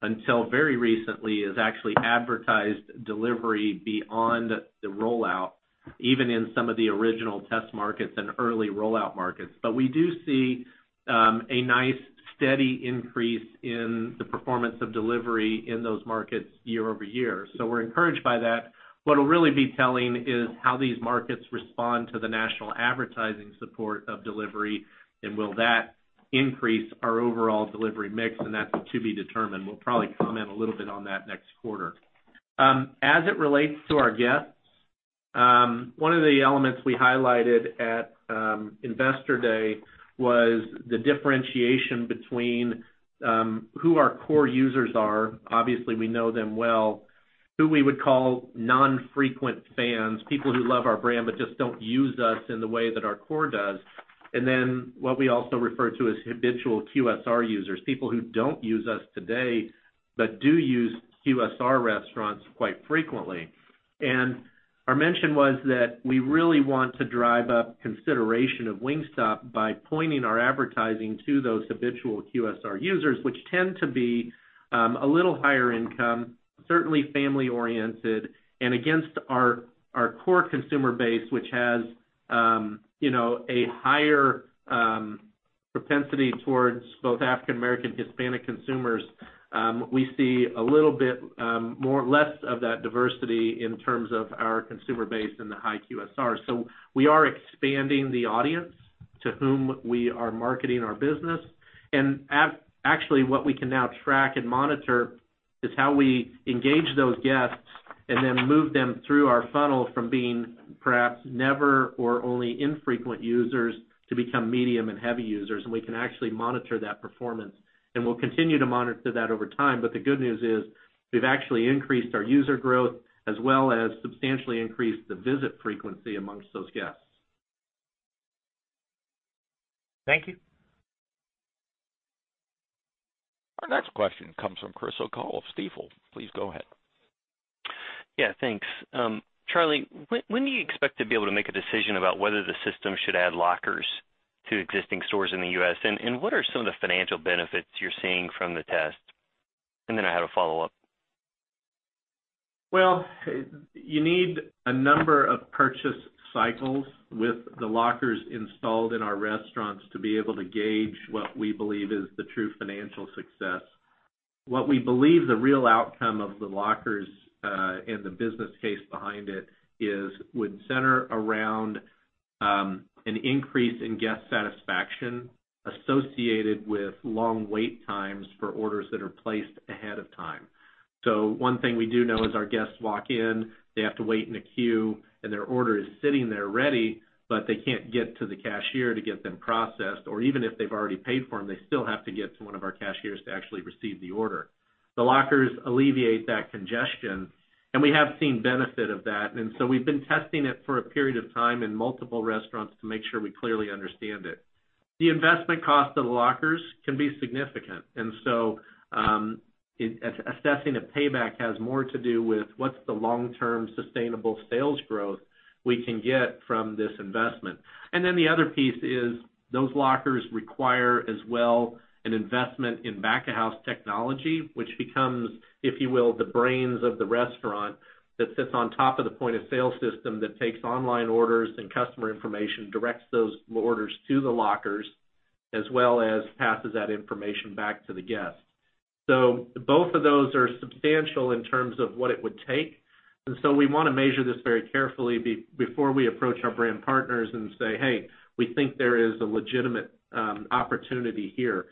until very recently is actually advertised delivery beyond the rollout, even in some of the original test markets and early rollout markets. We do see a nice steady increase in the performance of delivery in those markets year-over-year. We're encouraged by that. What'll really be telling is how these markets respond to the national advertising support of delivery, will that increase our overall delivery mix, that's to be determined. We'll probably comment a little bit on that next quarter. As it relates to our guests, one of the elements we highlighted at Investor Day was the differentiation between who our core users are, obviously, we know them well, who we would call non-frequent fans, people who love our brand but just don't use us in the way that our core does. Then what we also refer to as habitual QSR users, people who don't use us today, but do use QSR restaurants quite frequently. Our mention was that we really want to drive up consideration of Wingstop by pointing our advertising to those habitual QSR users, which tend to be a little higher income, certainly family-oriented. Against our core consumer base, which has, you know, a higher propensity towards both African American, Hispanic consumers, we see a little bit less of that diversity in terms of our consumer base in the high QSR. We are expanding the audience to whom we are marketing our business. Actually, what we can now track and monitor is how we engage those guests and then move them through our funnel from being perhaps never or only infrequent users to become medium and heavy users, and we can actually monitor that performance. We'll continue to monitor that over time. The good news is we've actually increased our user growth, as well as substantially increased the visit frequency amongst those guests. Thank you. Our next question comes from Chris O'Cull of Stifel. Please go ahead. Yeah, thanks. Charlie, when do you expect to be able to make a decision about whether the system should add lockers to existing stores in the U.S.? What are some of the financial benefits you're seeing from the test? I had a follow-up. Well, you need a number of purchase cycles with the lockers installed in our restaurants to be able to gauge what we believe is the true financial success. What we believe the real outcome of the lockers, and the business case behind it is, would center around an increase in guest satisfaction associated with long wait times for orders that are placed ahead of time. One thing we do know is our guests walk in, they have to wait in a queue, and their order is sitting there ready, but they can't get to the cashier to get them processed. Even if they've already paid for them, they still have to get to one of our cashiers to actually receive the order. The lockers alleviate that congestion, and we have seen benefit of that. We've been testing it for a period of time in multiple restaurants to make sure we clearly understand it. The investment cost of the lockers can be significant. Assessing a payback has more to do with what's the long-term sustainable sales growth we can get from this investment. The other piece is those lockers require as well an investment in back-of-house technology, which becomes, if you will, the brains of the restaurant that sits on top of the point-of-sale system that takes online orders and customer information, directs those orders to the lockers, as well as passes that information back to the guest. Both of those are substantial in terms of what it would take. We want to measure this very carefully before we approach our brand partners and say, "Hey, we think there is a legitimate opportunity here."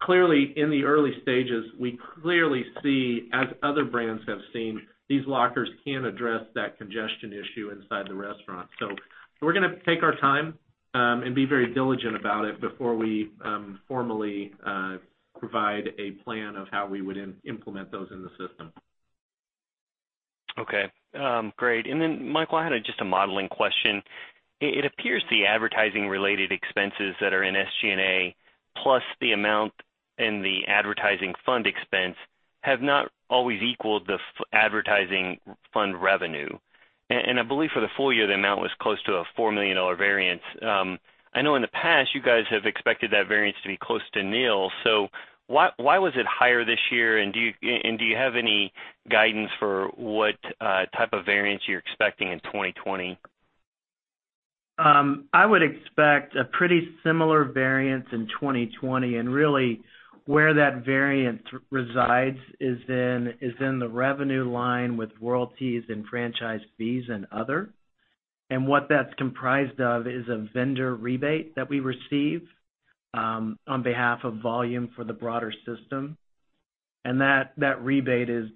Clearly, in the early stages, we clearly see, as other brands have seen, these lockers can address that congestion issue inside the restaurant. We're going to take our time and be very diligent about it before we formally provide a plan of how we would implement those in the system. Okay, great. Michael, I had a just a modeling question. It appears the advertising related expenses that are in SG&A plus the amount in the advertising fund expense have not always equaled the advertising fund revenue. I believe for the full year, the amount was close to a $4 million variance. I know in the past you guys have expected that variance to be close to nil. Why was it higher this year? Do you have any guidance for what type of variance you're expecting in 2020? I would expect a pretty similar variance in 2020, and really where that variance resides is in the revenue line with royalties and franchise fees and other. What that's comprised of is a vendor rebate that we receive on behalf of volume for the broader system. That rebate is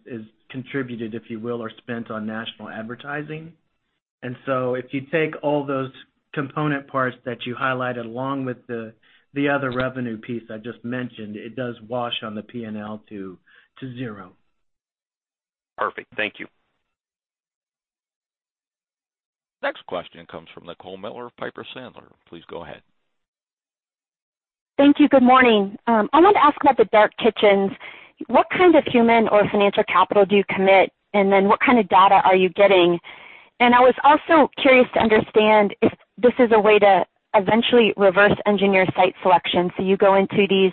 contributed, if you will, or spent on national advertising. If you take all those component parts that you highlighted, along with the other revenue piece I just mentioned, it does wash on the P&L to zero. Perfect. Thank you. Next question comes from Nicole Miller of Piper Sandler. Please go ahead. Thank you. Good morning. I wanted to ask about the dark kitchens. What kind of human or financial capital do you commit? Then what kind of data are you getting? I was also curious to understand if this is a way to eventually reverse engineer site selection, so you go into these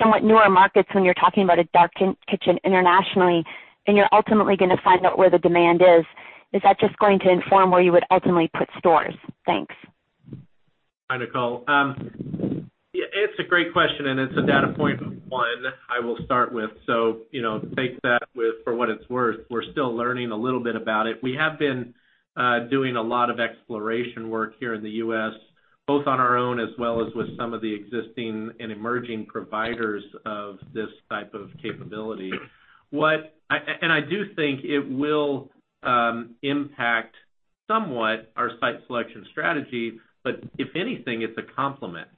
somewhat newer markets when you're talking about a dark kitchen internationally, and you're ultimately going to find out where the demand is. Is that just going to inform where you would ultimately put stores? Thanks. Hi, Nicole. It's a great question, and it's a data point one I will start with. You know, take that with for what it's worth. We're still learning a little bit about it. We have been doing a lot of exploration work here in the U.S., both on our own as well as with some of the existing and emerging providers of this type of capability. I do think it will impact somewhat our site selection strategy. If anything, it's a complement.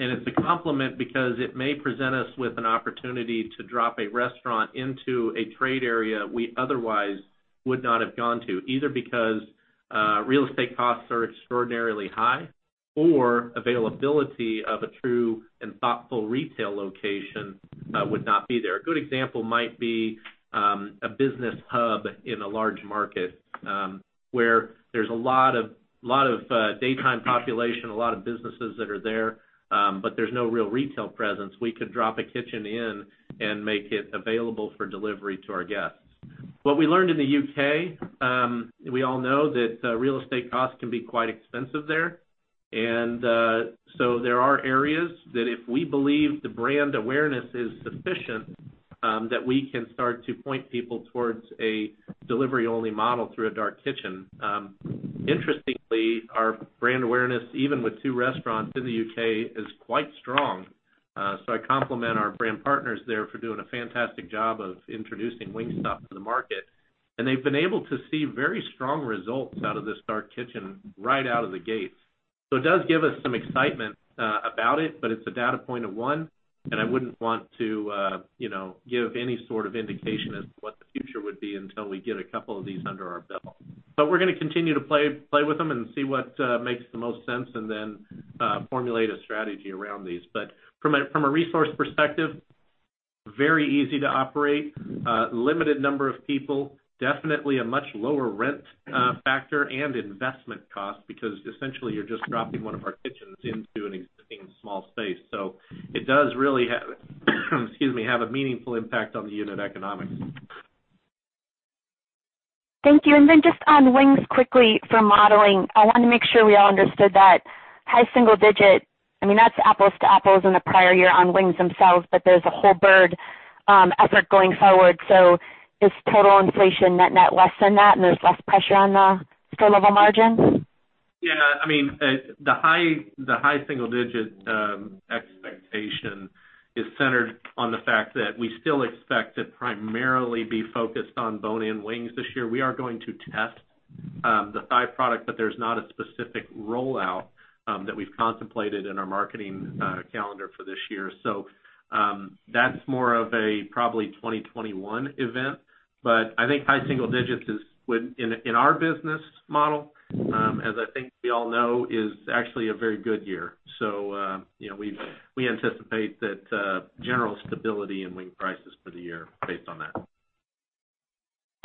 It's a complement because it may present us with an opportunity to drop a restaurant into a trade area we otherwise would not have gone to, either because real estate costs are extraordinarily high or availability of a true and thoughtful retail location would not be there. A good example might be a business hub in a large market, where there's a lot of daytime population, a lot of businesses that are there, but there's no real retail presence. We could drop a kitchen in and make it available for delivery to our guests. What we learned in the U.K., we all know that real estate costs can be quite expensive there. There are areas that if we believe the brand awareness is sufficient, that we can start to point people towards a delivery-only model through a dark kitchen. Interestingly, our brand awareness, even with two restaurants in the U.K., is quite strong. I compliment our brand partners there for doing a fantastic job of introducing Wingstop to the market, and they've been able to see very strong results out of this dark kitchen right out of the gate. It does give us some excitement about it, but it's a data point of one, and I wouldn't want to, you know, give any sort of indication as to what the future would be until we get a couple of these under our belt. We're going to continue to play with them and see what makes the most sense and then formulate a strategy around these. From a resource perspective, very easy to operate, limited number of people, definitely a much lower rent factor and investment cost because essentially you're just dropping one of our kitchens into an existing small space. It does really, excuse me, have a meaningful impact on the unit economics. Thank you. Just on wings quickly for modeling, I wanted to make sure we all understood that high single digit, I mean, that's apples to apples in the prior year on wings themselves, but there's a whole bird effort going forward. Is total inflation net net less than that and there's less pressure on the store level margin? Yeah, I mean, the high single-digit expectation is centered on the fact that we still expect to primarily be focused on bone-in wings this year. We are going to test the thigh product, there's not a specific rollout that we've contemplated in our marketing calendar for this year. That's more of a probably 2021 event. I think high single digits in our business model, as I think we all know, is actually a very good year. You know, we anticipate that general stability in wing prices for the year based on that.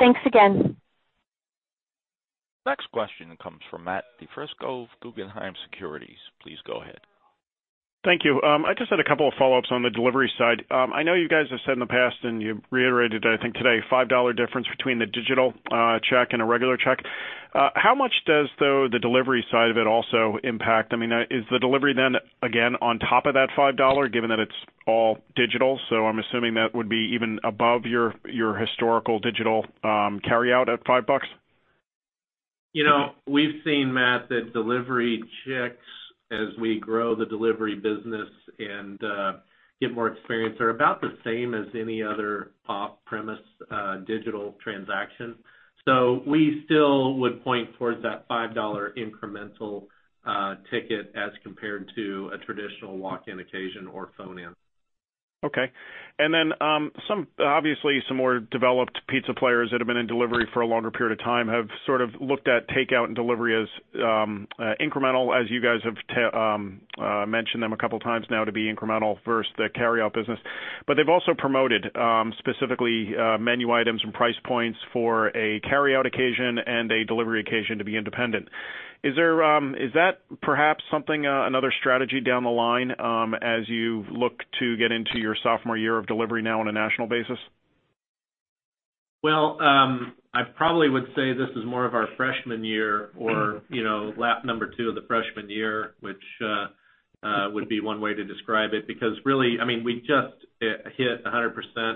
Thanks again. Next question comes from Matthew DiFrisco of Guggenheim Securities. Please go ahead. Thank you. I just had a couple of follow-ups on the delivery side. I know you guys have said in the past, and you reiterated I think today, $5 difference between the digital check and a regular check. How much does, though, the delivery side of it also impact? I mean, is the delivery then again on top of that $5, given that it's all digital? I'm assuming that would be even above your historical digital carryout at $5. You know, we've seen, Matt, that delivery checks as we grow the delivery business and get more experience are about the same as any other off-premise digital transaction. We still would point towards that $5 incremental ticket as compared to a traditional walk-in occasion or phone-in. Okay. Then, obviously, some more developed pizza players that have been in delivery for a longer period of time have sort of looked at takeout and delivery as incremental as you guys have mentioned them a couple of times now to be incremental versus the carryout business. They've also promoted specifically menu items and price points for a carryout occasion and a delivery occasion to be independent. Is there, is that perhaps something, another strategy down the line, as you look to get into your sophomore year of delivery now on a national basis? Well, I probably would say this is more of our freshman year or, you know, lap number two of the freshman year, which would be one way to describe it, because really, I mean, we just hit 100%,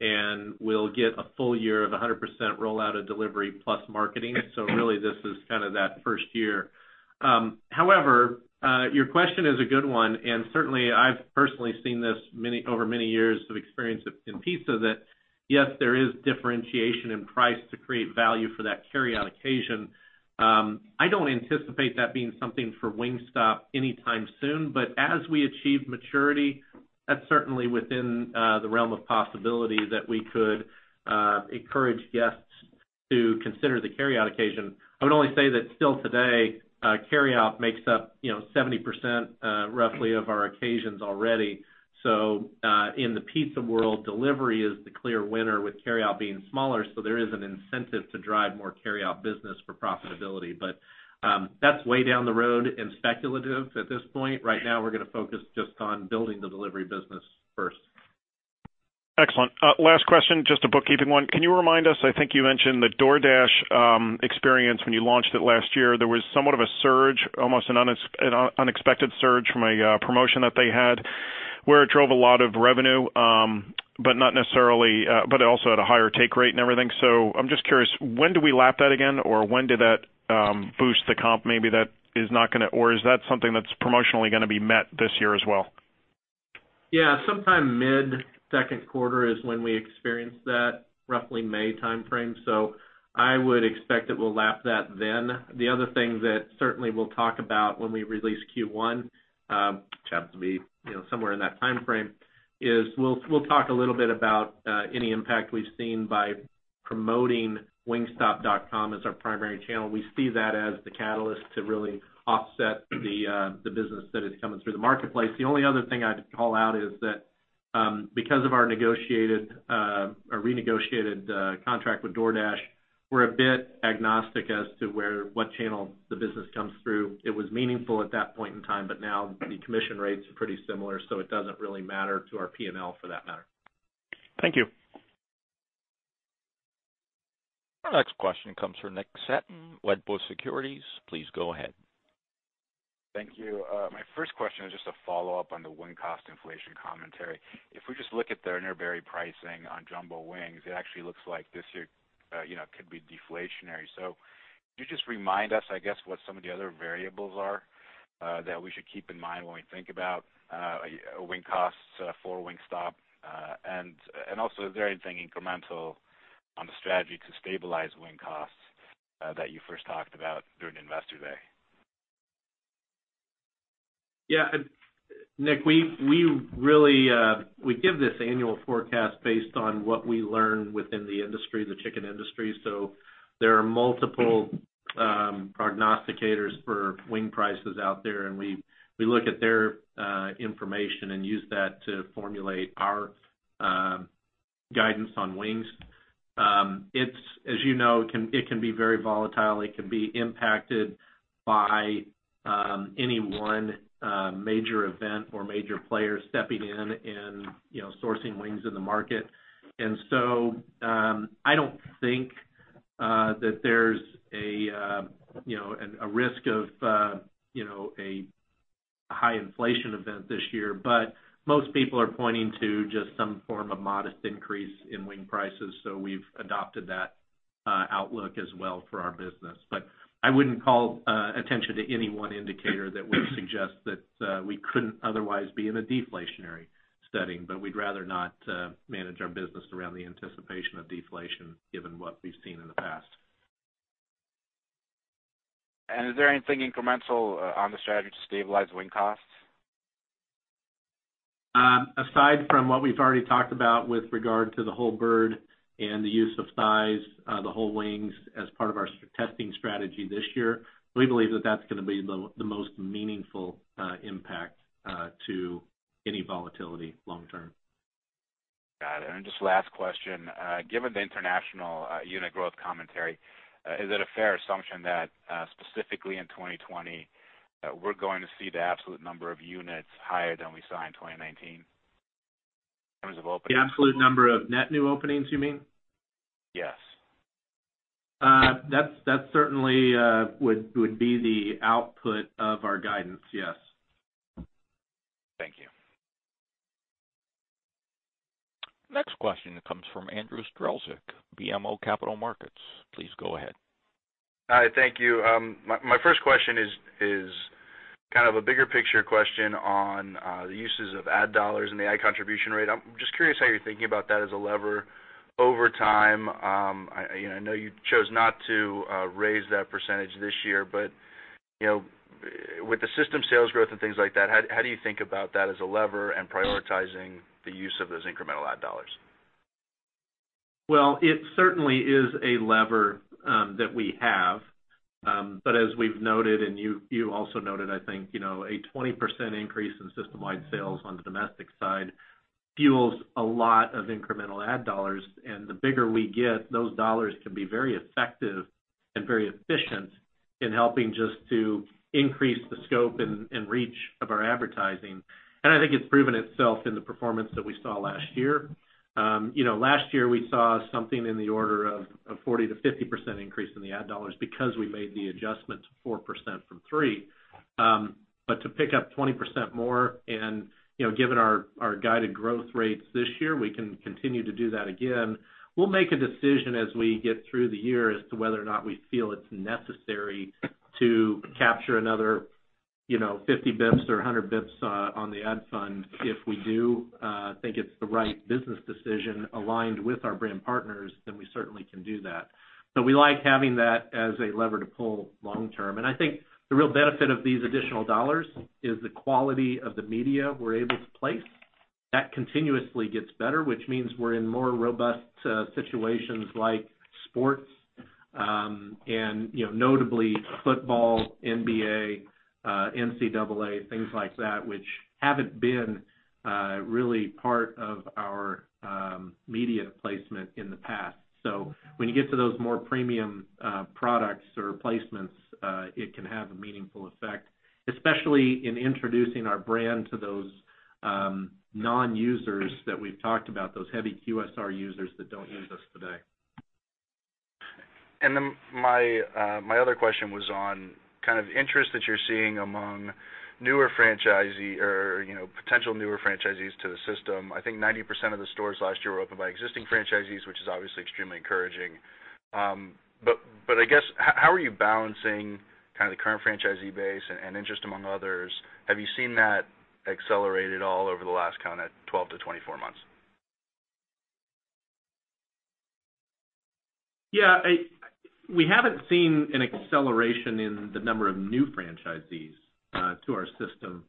and we'll get a full year of 100% rollout of delivery plus marketing. Really this is kind of that first year. However, your question is a good one, and certainly I've personally seen this over many years of experience in pizza that, yes, there is differentiation in price to create value for that carryout occasion. I don't anticipate that being something for Wingstop anytime soon, but as we achieve maturity, that's certainly within the realm of possibility that we could encourage guests to consider the carryout occasion. I would only say that still today, carryout makes up, you know, 70% roughly of our occasions already. In the pizza world, delivery is the clear winner with carryout being smaller, so there is an incentive to drive more carryout business for profitability. That's way down the road and speculative at this point. Right now, we're going to focus just on building the delivery business first. Excellent. Last question, just a bookkeeping one. Can you remind us, I think you mentioned the DoorDash experience when you launched it last year. There was somewhat of a surge, almost an unexpected surge from a promotion that they had, where it drove a lot of revenue, but not necessarily, but it also had a higher take rate and everything. I'm just curious, when do we lap that again, or when did that boost the comp maybe that is not going to, or is that something that's promotionally going to be met this year as well? Yeah, sometime mid-second quarter is when we experience that, roughly May timeframe. I would expect that we'll lap that then. The other thing that certainly we'll talk about when we release Q1, which happens to be, you know, somewhere in that timeframe, is we'll talk a little bit about any impact we've seen by promoting wingstop.com as our primary channel. We see that as the catalyst to really offset the business that is coming through the marketplace. The only other thing I'd call out is that because of our negotiated or renegotiated contract with DoorDash, we're a bit agnostic as to what channel the business comes through. It was meaningful at that point in time, but now the commission rates are pretty similar, so it doesn't really matter to our P&L for that matter. Thank you. Our next question comes from Nick Setyan, Wedbush Securities. Please go ahead. Thank you. My first question is just a follow-up on the wing cost inflation commentary. If we just look at the Urner Barry pricing on jumbo wings, it actually looks like this year, you know, could be deflationary. Could you just remind us, I guess, what some of the other variables are that we should keep in mind when we think about wing costs for Wingstop? Also, is there anything incremental on the strategy to stabilize wing costs that you first talked about during Investor Day? Yeah. Nick, we really give this annual forecast based on what we learn within the industry, the chicken industry. There are multiple prognosticators for wing prices out there, and we look at their information and use that to formulate our guidance on wings. As you know, it can be very volatile. It can be impacted by any one major event or major player stepping in and, you know, sourcing wings in the market. I don't think that there's a risk of, you know, a high inflation event this year. Most people are pointing to just some form of modest increase in wing prices, so we've adopted that outlook as well for our business. I wouldn't call attention to any one indicator that would suggest that we couldn't otherwise be in a deflationary setting, but we'd rather not manage our business around the anticipation of deflation given what we've seen in the past. Is there anything incremental on the strategy to stabilize wing costs? Aside from what we've already talked about with regard to the whole bird and the use of thighs, the whole wings as part of our testing strategy this year, we believe that that's going to be the most meaningful impact to any volatility long term. Got it. Just last question. Given the international unit growth commentary, is it a fair assumption that specifically in 2020, we're going to see the absolute number of units higher than we saw in 2019 in terms of openings? The absolute number of net new openings, you mean? Yes. That certainly would be the output of our guidance, yes. Thank you. The next question comes from Andrew Strelzik, BMO Capital Markets. Please go ahead. Hi. Thank you. my first question is kind of a bigger picture question on the uses of ad dollars and the ad contribution rate. I'm just curious how you're thinking about that as a lever over time. I know you chose not to raise that percentage this year, but, you know, with the system sales growth and things like that, how do you think about that as a lever and prioritizing the use of those incremental ad dollars? Well, it certainly is a lever that we have. As we've noted and you also noted, I think, you know, a 20% increase in system-wide sales on the domestic side fuels a lot of incremental ad dollars. The bigger we get, those dollars can be very effective and very efficient in helping just to increase the scope and reach of our advertising. I think it's proven itself in the performance that we saw last year. You know, last year we saw something in the order of 40%-50% increase in the ad dollars because we made the adjustment to 4% from 3%. To pick up 20% more and, you know, given our guided growth rates this year, we can continue to do that again. We'll make a decision as we get through the year as to whether or not we feel it's necessary to capture another, you know, 50 basis points or 100 basis points on the ad fund. If we do think it's the right business decision aligned with our brand partners, then we certainly can do that. We like having that as a lever to pull long term. I think the real benefit of these additional dollars is the quality of the media we're able to place. That continuously gets better, which means we're in more robust situations like sports, and, you know, notably football, NBA, NCAA, things like that, which haven't been really part of our media placement in the past. When you get to those more premium products or placements, it can have a meaningful effect, especially in introducing our brand to those non-users that we've talked about, those heavy QSR users that don't use us today. My other question was on kind of interest that you're seeing among newer franchisee or you know, potential newer franchisees to the system. I think 90% of the stores last year were opened by existing franchisees, which is obviously extremely encouraging. I guess, how are you balancing kind of the current franchisee base and interest among others? Have you seen that accelerate at all over the last, kind of, 12-24 months? Yeah. We haven't seen an acceleration in the number of new franchisees to our system.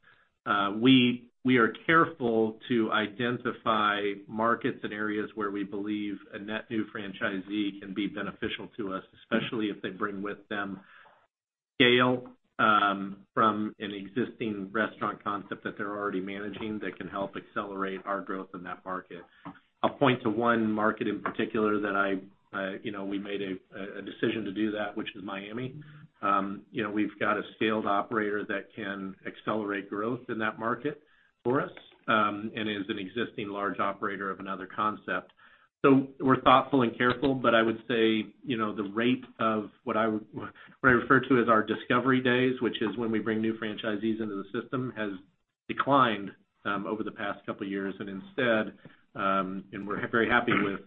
We are careful to identify markets and areas where we believe a net new franchisee can be beneficial to us, especially if they bring with them scale from an existing restaurant concept that they're already managing that can help accelerate our growth in that market. I'll point to one market in particular that, you know, we made a decision to do that, which is Miami. You know, we've got a scaled operator that can accelerate growth in that market for us and is an existing large operator of another concept. We're thoughtful and careful, but I would say, you know, the rate of what I refer to as our discovery days, which is when we bring new franchisees into the system, has declined over the past couple years, and instead, and we're very happy with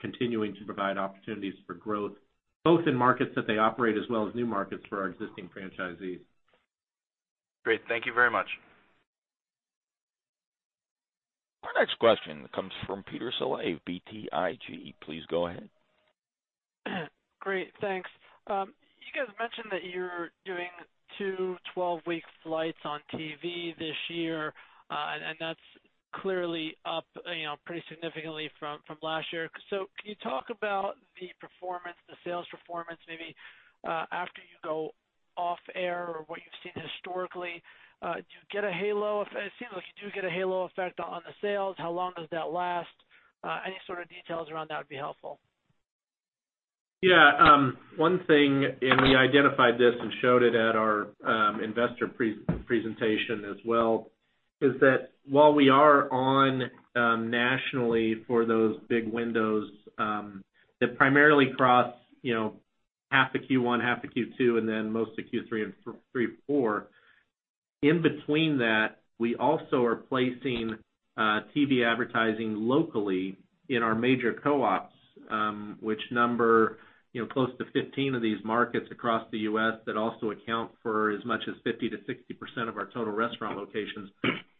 continuing to provide opportunities for growth, both in markets that they operate as well as new markets for our existing franchisees. Great. Thank you very much. Our next question comes from Peter Saleh of BTIG. Please go ahead. Great, thanks. You guys mentioned that you're doing two 12-week flights on TV this year, and that's clearly up, you know, pretty significantly from last year. Can you talk about the performance, the sales performance maybe, after you go off air or what you've seen historically? Do you get a halo effect? It seems like you do get a halo effect on the sales. How long does that last? Any sort of details around that would be helpful. Yeah. One thing, and we identified this and showed it at our investor presentation as well, is that while we are on nationally for those big windows, that primarily cross, you know, half the Q1, half the Q2, and then most of Q3 and three, four. In between that, we also are placing TV advertising locally in our major co-ops, which number, you know, close to 15 of these markets across the U.S. that also account for as much as 50%-60% of our total restaurant locations.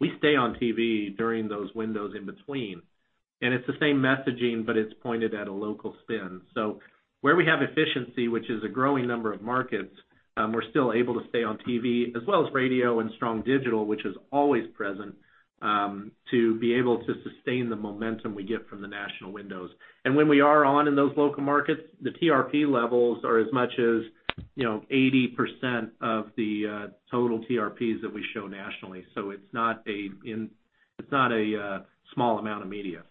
We stay on TV during those windows in between, and it's the same messaging, but it's pointed at a local spin. Where we have efficiency, which is a growing number of markets, we're still able to stay on TV as well as radio and strong digital, which is always present, to be able to sustain the momentum we get from the national windows. When we are on in those local markets, the TRP levels are as much as, you know, 80% of the total TRPs that we show nationally. It's not a small amount of media.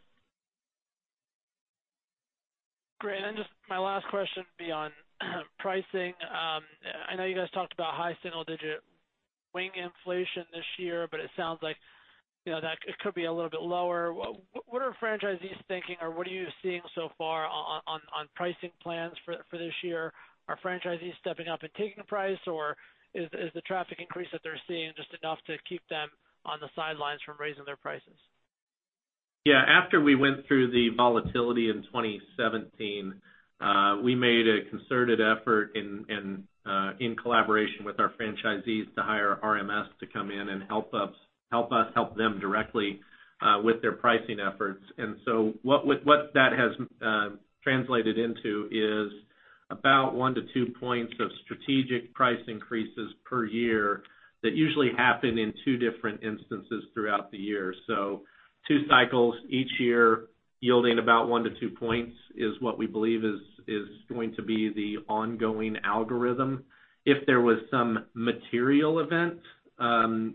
Great. Then just my last question would be on pricing. I know you guys talked about high single-digit wing inflation this year, but it sounds like, you know, that it could be a little bit lower. What are franchisees thinking or what are you seeing so far on pricing plans for this year? Are franchisees stepping up and taking the price or is the traffic increase that they're seeing just enough to keep them on the sidelines from raising their prices? After we went through the volatility in 2017, we made a concerted effort in collaboration with our franchisees to hire RMS to come in and help us help them directly with their pricing efforts. What that has translated into is about one to two points of strategic price increases per year that usually happen in two different instances throughout the year. Two cycles each year yielding about one to two points is what we believe is going to be the ongoing algorithm. If there was some material event,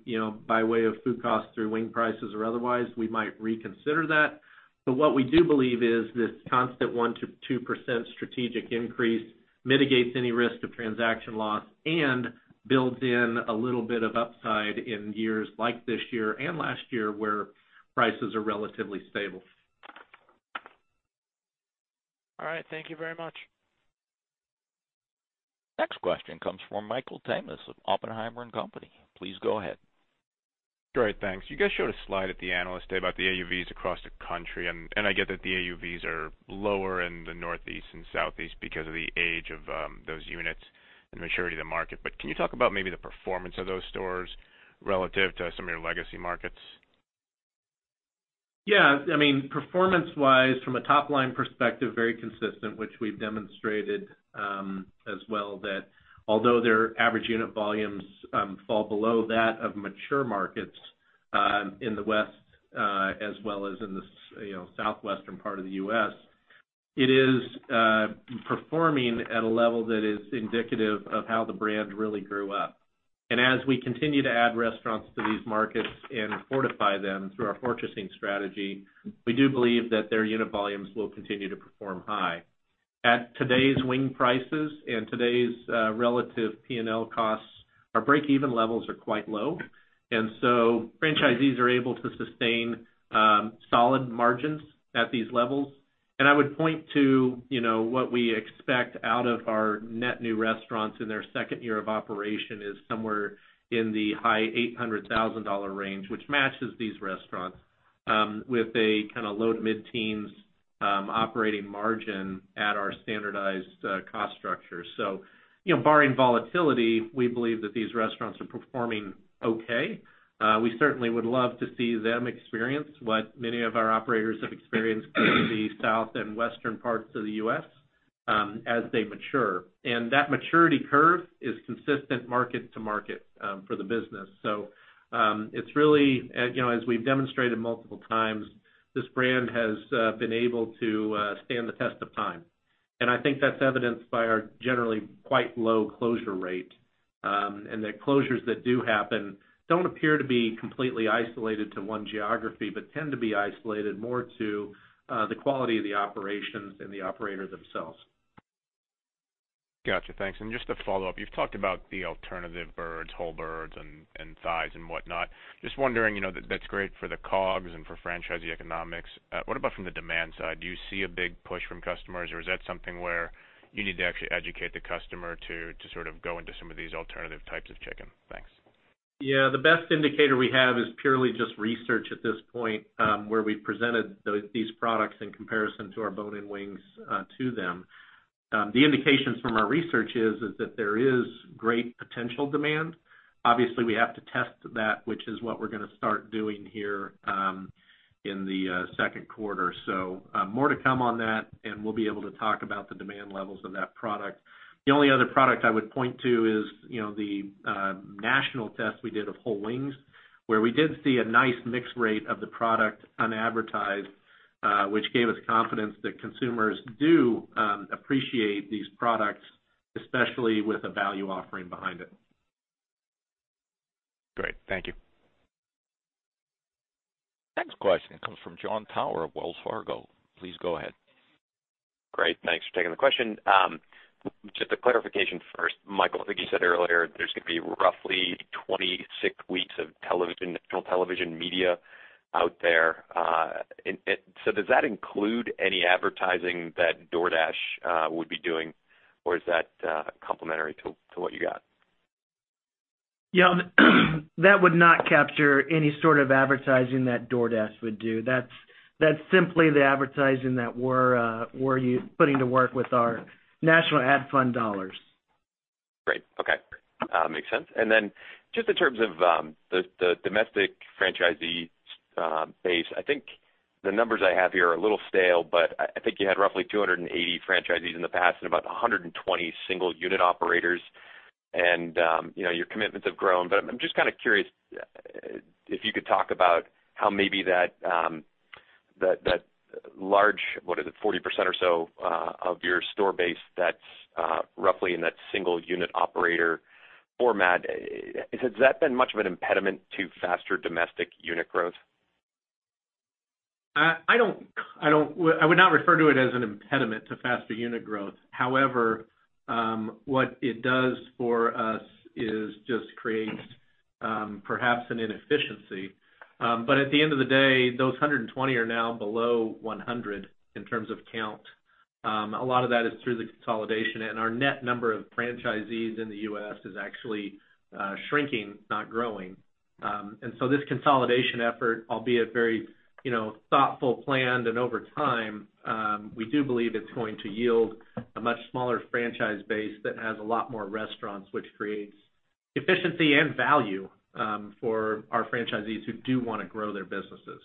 you know, by way of food costs through wing prices or otherwise, we might reconsider that. What we do believe is this constant 1%-2% strategic increase mitigates any risk of transaction loss and builds in a little bit of upside in years like this year and last year where prices are relatively stable. All right. Thank you very much. Next question comes from Michael Tamas of Oppenheimer & Company. Please go ahead. Great, thanks. You guys showed a slide at the Analyst Day about the AUVs across the country, and I get that the AUVs are lower in the Northeast and Southeast because of the age of those units and maturity of the market. Can you talk about maybe the performance of those stores relative to some of your legacy markets? I mean, performance-wise from a top-line perspective, very consistent, which we've demonstrated, as well that although their average Unit Volumes fall below that of mature markets, in the West, as well as in the you know, southwestern part of the U.S., it is performing at a level that is indicative of how the brand really grew up. As we continue to add restaurants to these markets and fortify them through our fortressing strategy, we do believe that their unit volumes will continue to perform high. At today's wing prices and today's relative P&L costs, our break-even levels are quite low, franchisees are able to sustain solid margins at these levels. I would point to, you know, what we expect out of our net new restaurants in their second year of operation is somewhere in the high $800,000 range, which matches these restaurants, with a kind of low-to-mid teens operating margin at our standardized cost structure. You know, barring volatility, we believe that these restaurants are performing okay. We certainly would love to see them experience what many of our operators have experienced in the South and Western parts of the U.S., as they mature. That maturity curve is consistent market to market for the business. You know, as we've demonstrated multiple times, this brand has been able to stand the test of time, and I think that's evidenced by our generally quite low closure rate, and the closures that do happen don't appear to be completely isolated to one geography, but tend to be isolated more to the quality of the operations and the operator themselves. Got you. Thanks. Just to follow up, you've talked about the alternative birds, whole birds and thighs and whatnot. Just wondering, you know, that's great for the COGS and for franchisee economics. What about from the demand side? Do you see a big push from customers, or is that something where you need to actually educate the customer to sort of go into some of these alternative types of chicken? Thanks. The best indicator we have is purely just research at this point, where we presented these products in comparison to our bone-in wings to them. The indications from our research is that there is great potential demand. Obviously, we have to test that, which is what we're going to start doing here in the second quarter. More to come on that, and we'll be able to talk about the demand levels of that product. The only other product I would point to is, you know, the national test we did of whole wings, where we did see a nice mix rate of the product unadvertised, which gave us confidence that consumers do appreciate these products, especially with a value offering behind it. Great. Thank you. Next question comes from Jon Tower of Wells Fargo. Please go ahead. Great. Thanks for taking the question. Just a clarification first. Michael, I think you said earlier there's going to be roughly 26 weeks of television, national television media out there. Does that include any advertising that DoorDash would be doing, or is that complementary to what you got? Yeah. That would not capture any sort of advertising that DoorDash would do. That's simply the advertising that we're putting to work with our national ad fund dollars. Great. Okay, makes sense. Just in terms of the domestic franchisee base, I think the numbers I have here are a little stale, but I think you had roughly 280 franchisees in the past and about 120 single unit operators. You know, your commitments have grown. I'm just kind of curious if you could talk about how maybe that large, what is it, 40% or so, of your store base that's roughly in that single unit operator format. Has that been much of an impediment to faster domestic unit growth? I would not refer to it as an impediment to faster unit growth. However, what it does for us is just creates perhaps an inefficiency. At the end of the day, those 120 are now below 100 in terms of count. A lot of that is through the consolidation, our net number of franchisees in the U.S. is actually shrinking, not growing. This consolidation effort, albeit very, you know, thoughtful, planned and over time, we do believe it's going to yield a much smaller franchise base that has a lot more restaurants, which creates efficiency and value for our franchisees who do wanna grow their businesses.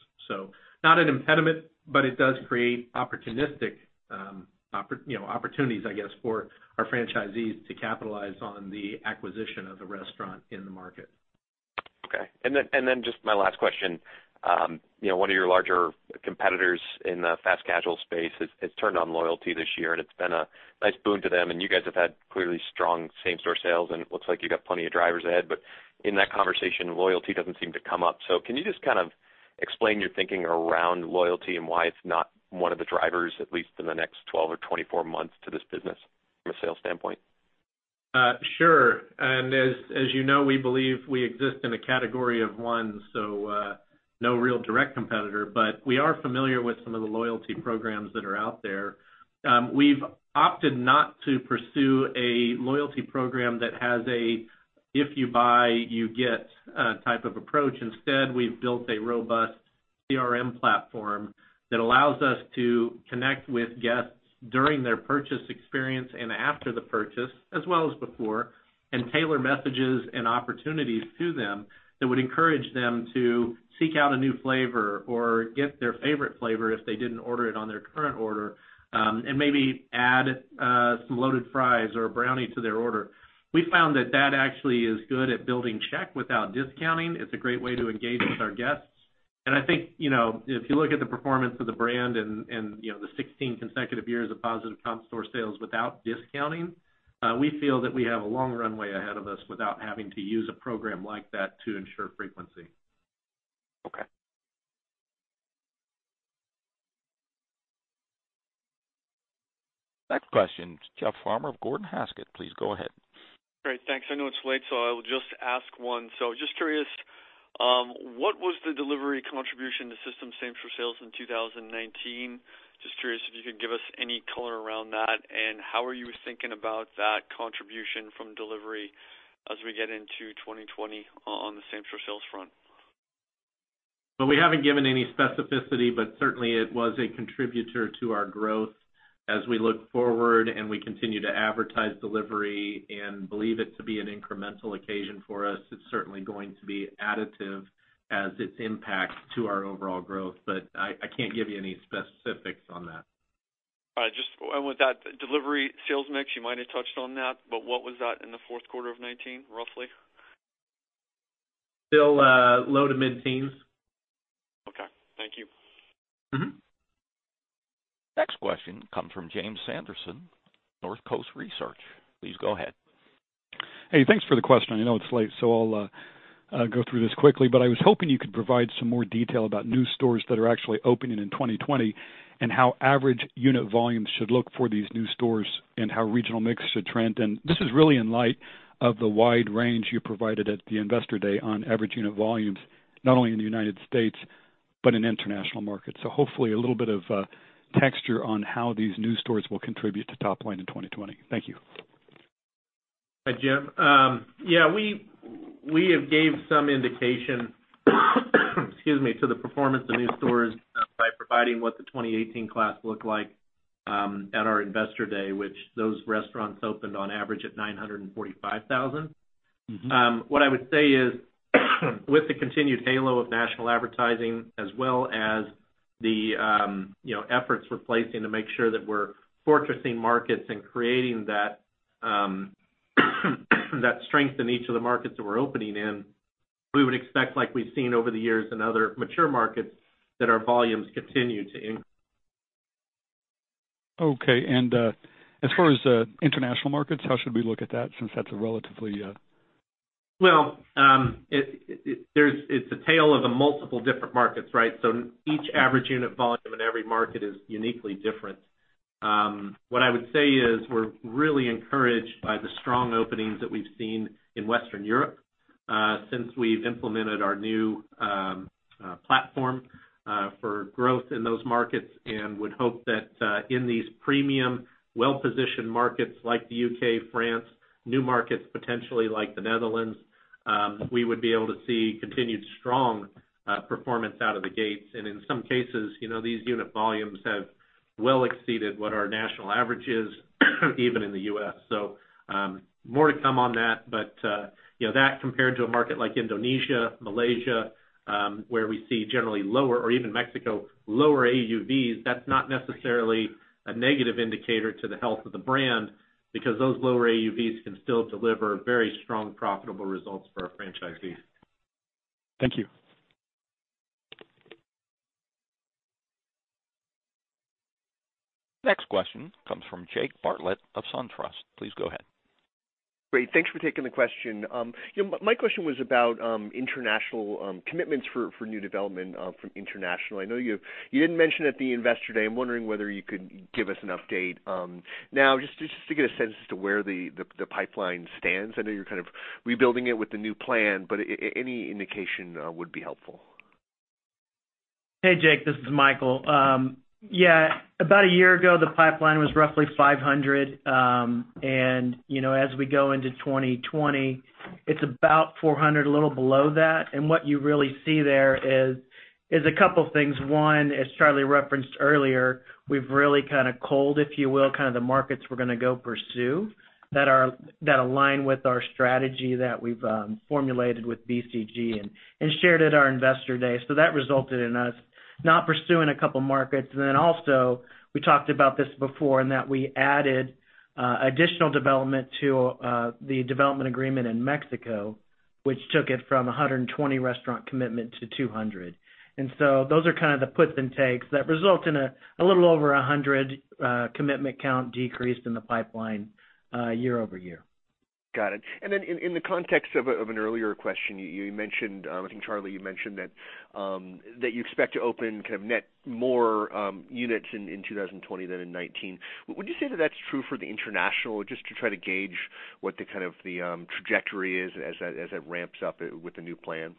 Not an impediment, but it does create opportunistic, you know, opportunities, I guess, for our franchisees to capitalize on the acquisition of the restaurant in the market. Okay. Then, just my last question. You know, one of your larger competitors in the fast casual space has turned on loyalty this year, and it's been a nice boon to them, and you guys have had clearly strong same-store sales, and it looks like you got plenty of drivers ahead. In that conversation, loyalty doesn't seem to come up. Can you just kind of explain your thinking around loyalty and why it's not one of the drivers, at least in the next 12 or 24 months to this business from a sales standpoint? Sure. As, as you know, we believe we exist in a category of one, so no real direct competitor. We are familiar with some of the loyalty programs that are out there. We've opted not to pursue a loyalty program that has a, if you buy, you get, type of approach. Instead, we've built a robust CRM platform that allows us to connect with guests during their purchase experience and after the purchase, as well as before, and tailor messages and opportunities to them that would encourage them to seek out a new flavor or get their favorite flavor if they didn't order it on their current order, and maybe add some loaded fries or a brownie to their order. We found that that actually is good at building check without discounting. It's a great way to engage with our guests. I think, you know, if you look at the performance of the brand and, you know, the 16 consecutive years of positive comp store sales without discounting, we feel that we have a long runway ahead of us without having to use a program like that to ensure frequency. Okay. Next question, Jeff Farmer of Gordon Haskett. Please go ahead. Great. Thanks. I know it's late, so I'll just ask one. Just curious, what was the delivery contribution to system same store sales in 2019? Just curious if you could give us any color around that. How are you thinking about that contribution from delivery as we get into 2020 on the same store sales front? We haven't given any specificity, but certainly it was a contributor to our growth. As we look forward and we continue to advertise delivery and believe it to be an incremental occasion for us, it's certainly going to be additive as it impacts to our overall growth. I can't give you any specifics on that. All right. With that delivery sales mix, you might have touched on that, but what was that in the fourth quarter of 2019, roughly? Still, low to mid-teens. Okay. Thank you. Next question comes from James Sanderson, Northcoast Research. Please go ahead. Hey, thanks for the question. I know it's late, so I'll go through this quickly. I was hoping you could provide some more detail about new stores that are actually opening in 2020 and how average unit volumes should look for these new stores and how regional mix should trend. This is really in light of the wide range you provided at the Investor Day on average unit volumes, not only in the United States but in international markets. Hopefully a little bit of texture on how these new stores will contribute to top line in 2020. Thank you. Hi, Jim. Yeah, we have gave some indication, excuse me, to the performance of new stores by providing what the 2018 class looked like at our Investor Day, which those restaurants opened on average at $945,000. What I would say is, with the continued halo of national advertising, as well as the, you know, efforts we're placing to make sure that we're fortressing markets and creating that strength in each of the markets that we're opening in, we would expect like we've seen over the years in other mature markets, that our volumes continue to increase. Okay, as far as international markets, how should we look at that since that's a relatively? It's a tale of the multiple different markets, right? Each average unit volume in every market is uniquely different. What I would say is we're really encouraged by the strong openings that we've seen in Western Europe, since we've implemented our new platform for growth in those markets and would hope that in these premium, well-positioned markets like the U.K., France, new markets, potentially like the Netherlands, we would be able to see continued strong performance out of the gates. In some cases, you know, these unit volumes have well exceeded what our national average is, even in the U.S. More to come on that. You know, that compared to a market like Indonesia, Malaysia, where we see generally lower, or even Mexico, lower AUVs, that's not necessarily a negative indicator to the health of the brand because those lower AUVs can still deliver very strong profitable results for our franchisees. Thank you. Next question comes from Jake Bartlett of SunTrust. Please go ahead. Great. Thanks for taking the question. You know, my question was about international commitments for new development from international. I know you didn't mention at the Investor Day. I'm wondering whether you could give us an update now just to get a sense as to where the pipeline stands. I know you're kind of rebuilding it with the new plan, but any indication would be helpful. Hey, Jake, this is Michael. Yeah, about one year ago, the pipeline was roughly 500. You know, as we go into 2020, it's about 400, a little below that. What you really see there is two things. One, as Charlie referenced earlier, we've really kind of culled, if you will, kind of the markets we're going to go pursue that align with our strategy that we've formulated with BCG and shared at our investor day. That resulted in us not pursuing a couple of markets. Also, we talked about this before, in that we added additional development to the development agreement in Mexico, which took it from 120 restaurant commitment to 200. Those are kind of the puts and takes that result in a little over 100 commitment count decrease in the pipeline, year-over-year. Got it. In the context of an earlier question, you mentioned, I think, Charlie, you mentioned that you expect to open kind of net more units in 2020 than in 2019. Would you say that that's true for the international just to try to gauge what the kind of the trajectory is as that, as it ramps up with the new plan?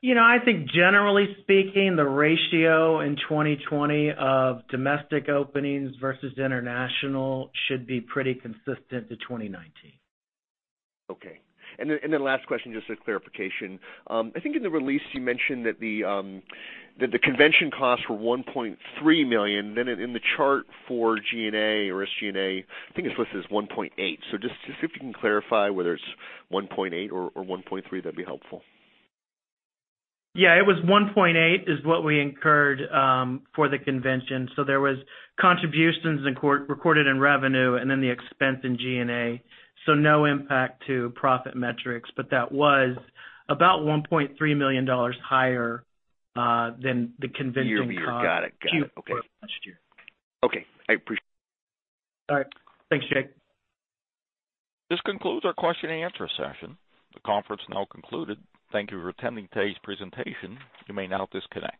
You know, I think generally speaking, the ratio in 2020 of domestic openings versus international should be pretty consistent to 2019. Okay. Last question, just a clarification. I think in the release you mentioned that the convention costs were $1.3 million. In the chart for G&A or SG&A, I think it's listed as $1.8 million. Just if you can clarify whether it's $1.8 million or $1.3 million, that'd be helpful. Yeah, it was $1.8 is what we incurred for the convention. There was contributions recorded in revenue and then the expense in G&A. No impact to profit metrics, but that was about $1.3 million higher than the convention cost. [audible distortion] Got it, okay. Q4 of last year. Okay. I appreciate it. All right. Thanks, Jake. This concludes our question and answer session. The conference is now concluded. Thank you for attending today's presentation. You may now disconnect.